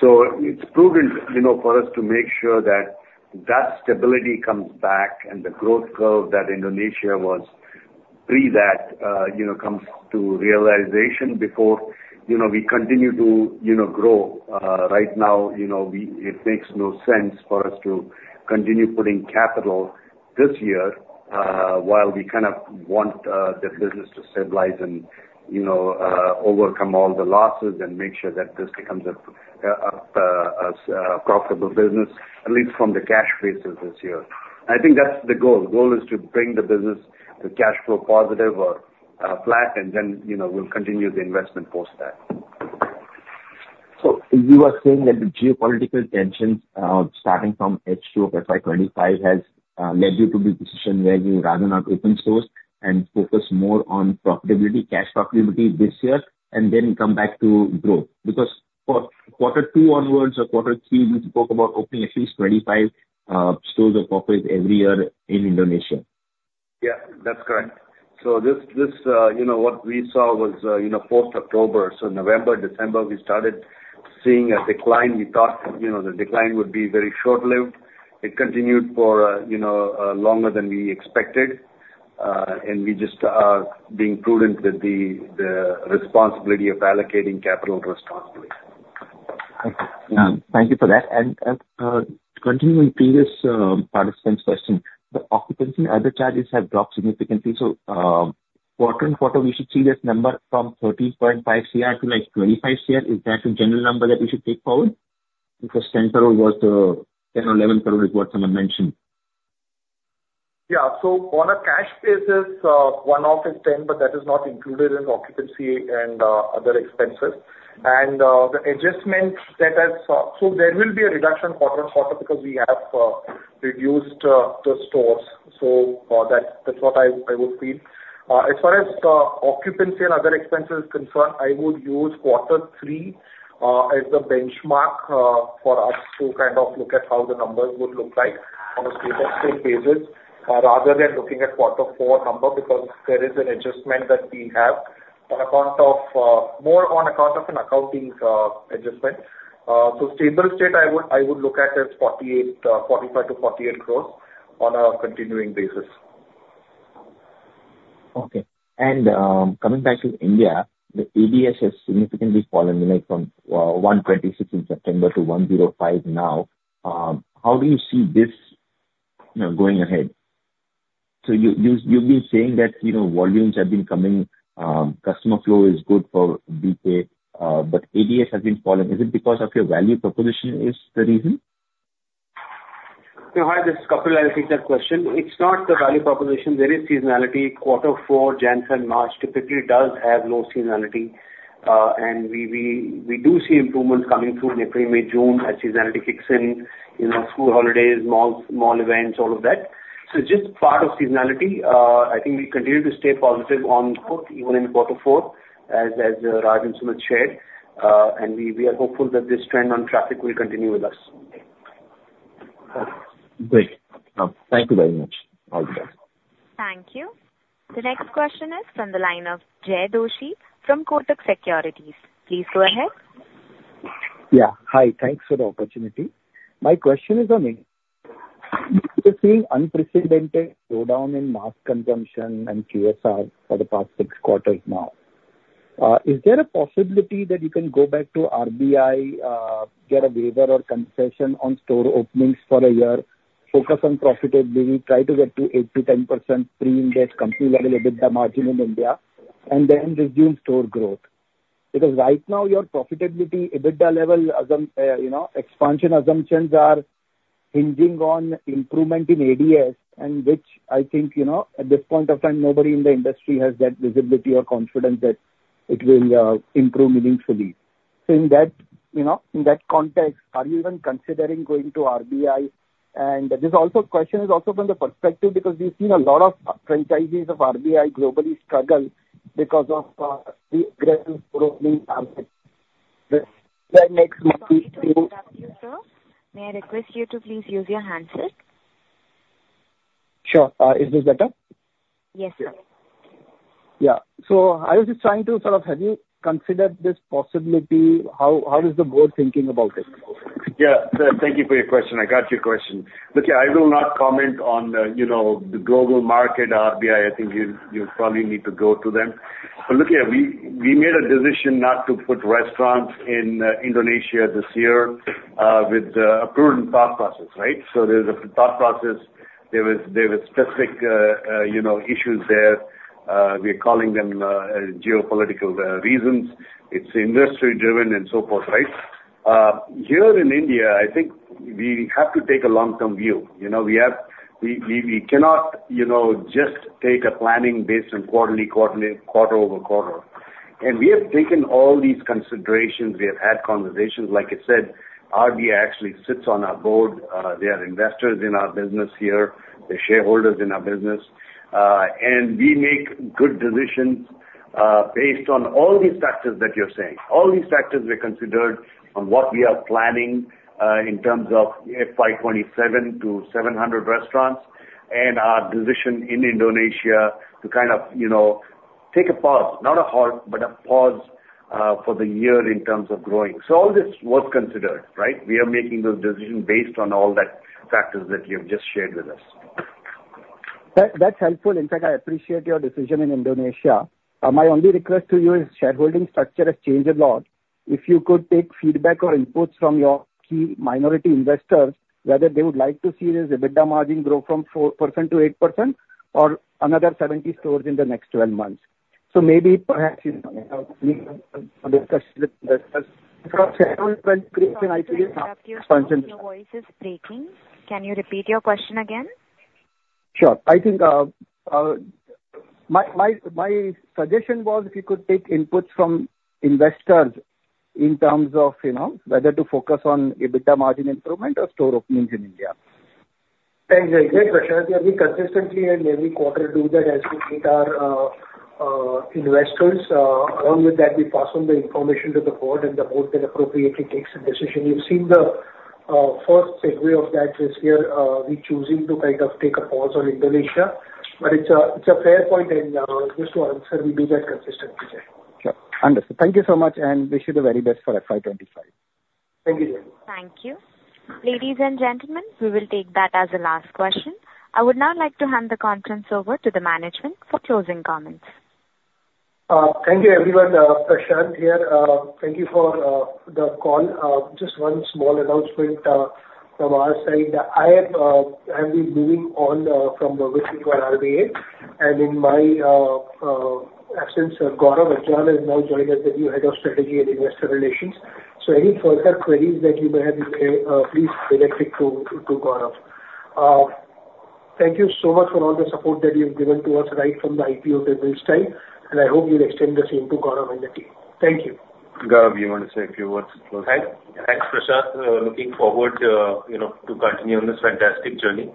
So it's proven, you know, for us to make sure that, that stability comes back and the growth curve that Indonesia was pre-that, you know, comes to realization before, you know, we continue to, you know, grow. Right now, you know, it makes no sense for us to continue putting capital this year, while we kind of want the business to stabilize and, you know, overcome all the losses and make sure that this becomes a profitable business, at least from the cash basis this year. I think that's the goal. The goal is to bring the business to cash flow positive or flat, and then, you know, we'll continue the investment post that. So you are saying that the geopolitical tensions, starting from H2 of FY 2025, has led you to the decision where you rather not open stores and focus more on profitability, cash profitability this year, and then come back to grow? Because for quarter two onwards or quarter three, we spoke about opening at least 25 stores of Popeyes every year in Indonesia. Yeah, that's correct. So this, this, you know, what we saw was, you know, post-October. So November, December, we started seeing a decline. We thought, you know, the decline would be very short-lived. It continued for, you know, longer than we expected, and we just are being prudent with the, the responsibility of allocating capital responsibly. Thank you for that. And, continuing previous participant's question, the occupancy and other charges have dropped significantly. So, quarter-on-quarter, we should see this number from 13.5 crore to, like, 25 crore. Is that the general number that we should take forward? Because 10 crore was the, 10 or 11 crore is what someone mentioned. Yeah. So on a cash basis, one-off is 10, but that is not included in occupancy and other expenses. And the adjustment so there will be a reduction quarter-on-quarter because we have reduced the stores. So that, that's what I would feel. As far as occupancy and other expenses concerned, I would use quarter three as the benchmark for us to kind of look at how the numbers would look like on a state-by-state basis rather than looking at quarter four number, because there is an adjustment that we have on account of more on account of an accounting adjustment. So stable state, I would look at as 48, 45-48 crores on a continuing basis. Okay. And coming back to India, the ADS has significantly fallen, like, from 126 in September to 105 now. How do you see this, you know, going ahead? So you've been saying that, you know, volumes have been coming, customer flow is good for BK, but ADS has been falling. Is it because of your value proposition is the reason? Yeah. Hi, this is Kapil. I'll take that question. It's not the value proposition. There is seasonality. Quarter four, January, February, March, typically does have low seasonality. And we do see improvements coming through in April, May, June, as seasonality kicks in, you know, school holidays, malls, mall events, all of that. So just part of seasonality. I think we continue to stay positive on growth even in quarter four, as Raj and Sumit shared. And we are hopeful that this trend on traffic will continue with us. Great. Thank you very much. All the best. Thank you. The next question is from the line of Jay Doshi from Kotak Securities. Please go ahead. Yeah, hi. Thanks for the opportunity. My question is on we're seeing unprecedented slowdown in mass consumption and QSR for the past six quarters now. Is there a possibility that you can go back to RBI, get a waiver or concession on store openings for a year, focus on profitability, try to get to 8%-10% pre-Ind AS company-level EBITDA margin in India, and then resume store growth? Because right now, your profitability, EBITDA level assumptions, you know, expansion assumptions are hinging on improvement in ADS, and which I think, you know, at this point of time, nobody in the industry has that visibility or confidence that it will improve meaningfully. So in that, you know, in that context, are you even considering going to RBI? This question is also from the perspective, because we've seen a lot of franchisees of RBI globally struggle because of, the growing. Sorry to interrupt you, sir. May I request you to please use your handset? Sure. Is this better? Yes, sir. Have you considered this possibility? How, how is the board thinking about this? Yeah. Thank you for your question. I got your question. Look, I will not comment on the, you know, the global market, RBI. I think you probably need to go to them. But look, yeah, we made a decision not to put restaurants in Indonesia this year with a prudent thought process, right? So there's a thought process. There were specific, you know, issues there. We're calling them geopolitical reasons. It's industry-driven and so forth, right? Here in India, I think we have to take a long-term view. We cannot, you know, just take a planning based on quarterly, quarter-over-quarter. And we have taken all these considerations. We have had conversations. Like I said, RBI actually sits on our board. They are investors in our business here. They're shareholders in our business. And we make good decisions based on all these factors that you're saying. All these factors were considered on what we are planning in terms of FY 27 to 700 restaurants and our decision in Indonesia to kind of, you know, take a pause, not a halt, but a pause for the year in terms of growing. So all this was considered, right? We are making those decisions based on all that factors that you've just shared with us. That, that's helpful. In fact, I appreciate your decision in Indonesia. My only request to you is shareholding structure has changed a lot. If you could take feedback or inputs from your key minority investors, whether they would like to see the EBITDA margin grow from 4% to 8% or another 70 stores in the next 12 months. So maybe, perhaps, you know, discuss with investors. Sorry to interrupt you. Your voice is breaking. Can you repeat your question again? Sure. I think, my suggestion was if you could take inputs from investors in terms of, you know, whether to focus on EBITDA margin improvement or store openings in India. Exactly, Prashant. Yeah, we consistently and every quarter do that as we meet our investors. Along with that, we pass on the information to the board, and the board then appropriately takes a decision. You've seen the first segue of that this year, we're choosing to kind of take a pause on Indonesia, but it's a, it's a fair point, and just to answer, we'll be very consistent with it. Sure. Understood. Thank you so much, and wish you the very best for FY 25. Thank you. Thank you. Ladies and gentlemen, we will take that as the last question. I would now like to hand the conference over to the management for closing comments. Thank you, everyone. Prashant here. Thank you for the call. Just one small announcement from our side. I am, I'll be moving on from RBA to RBI, and in my absence, Gaurav Agrawal has now joined as the new head of strategy and investor relations. So any further queries that you may have, please direct it to Gaurav. Thank you so much for all the support that you've given to us right from the IPO to this time, and I hope you'll extend the same to Gaurav and the team. Thank you. Gaurav, you want to say a few words to close out? Thanks, Prashant. Looking forward, you know, to continue on this fantastic journey.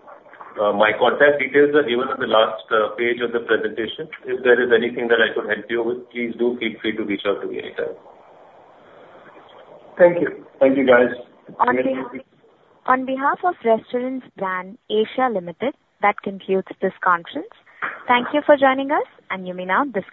My contact details are given on the last page of the presentation. If there is anything that I could help you with, please do feel free to reach out to me anytime. Thank you. Thank you, guys. On behalf, on behalf of Restaurant Brands Asia Limited, that concludes this conference. Thank you for joining us, and you may now disconnect.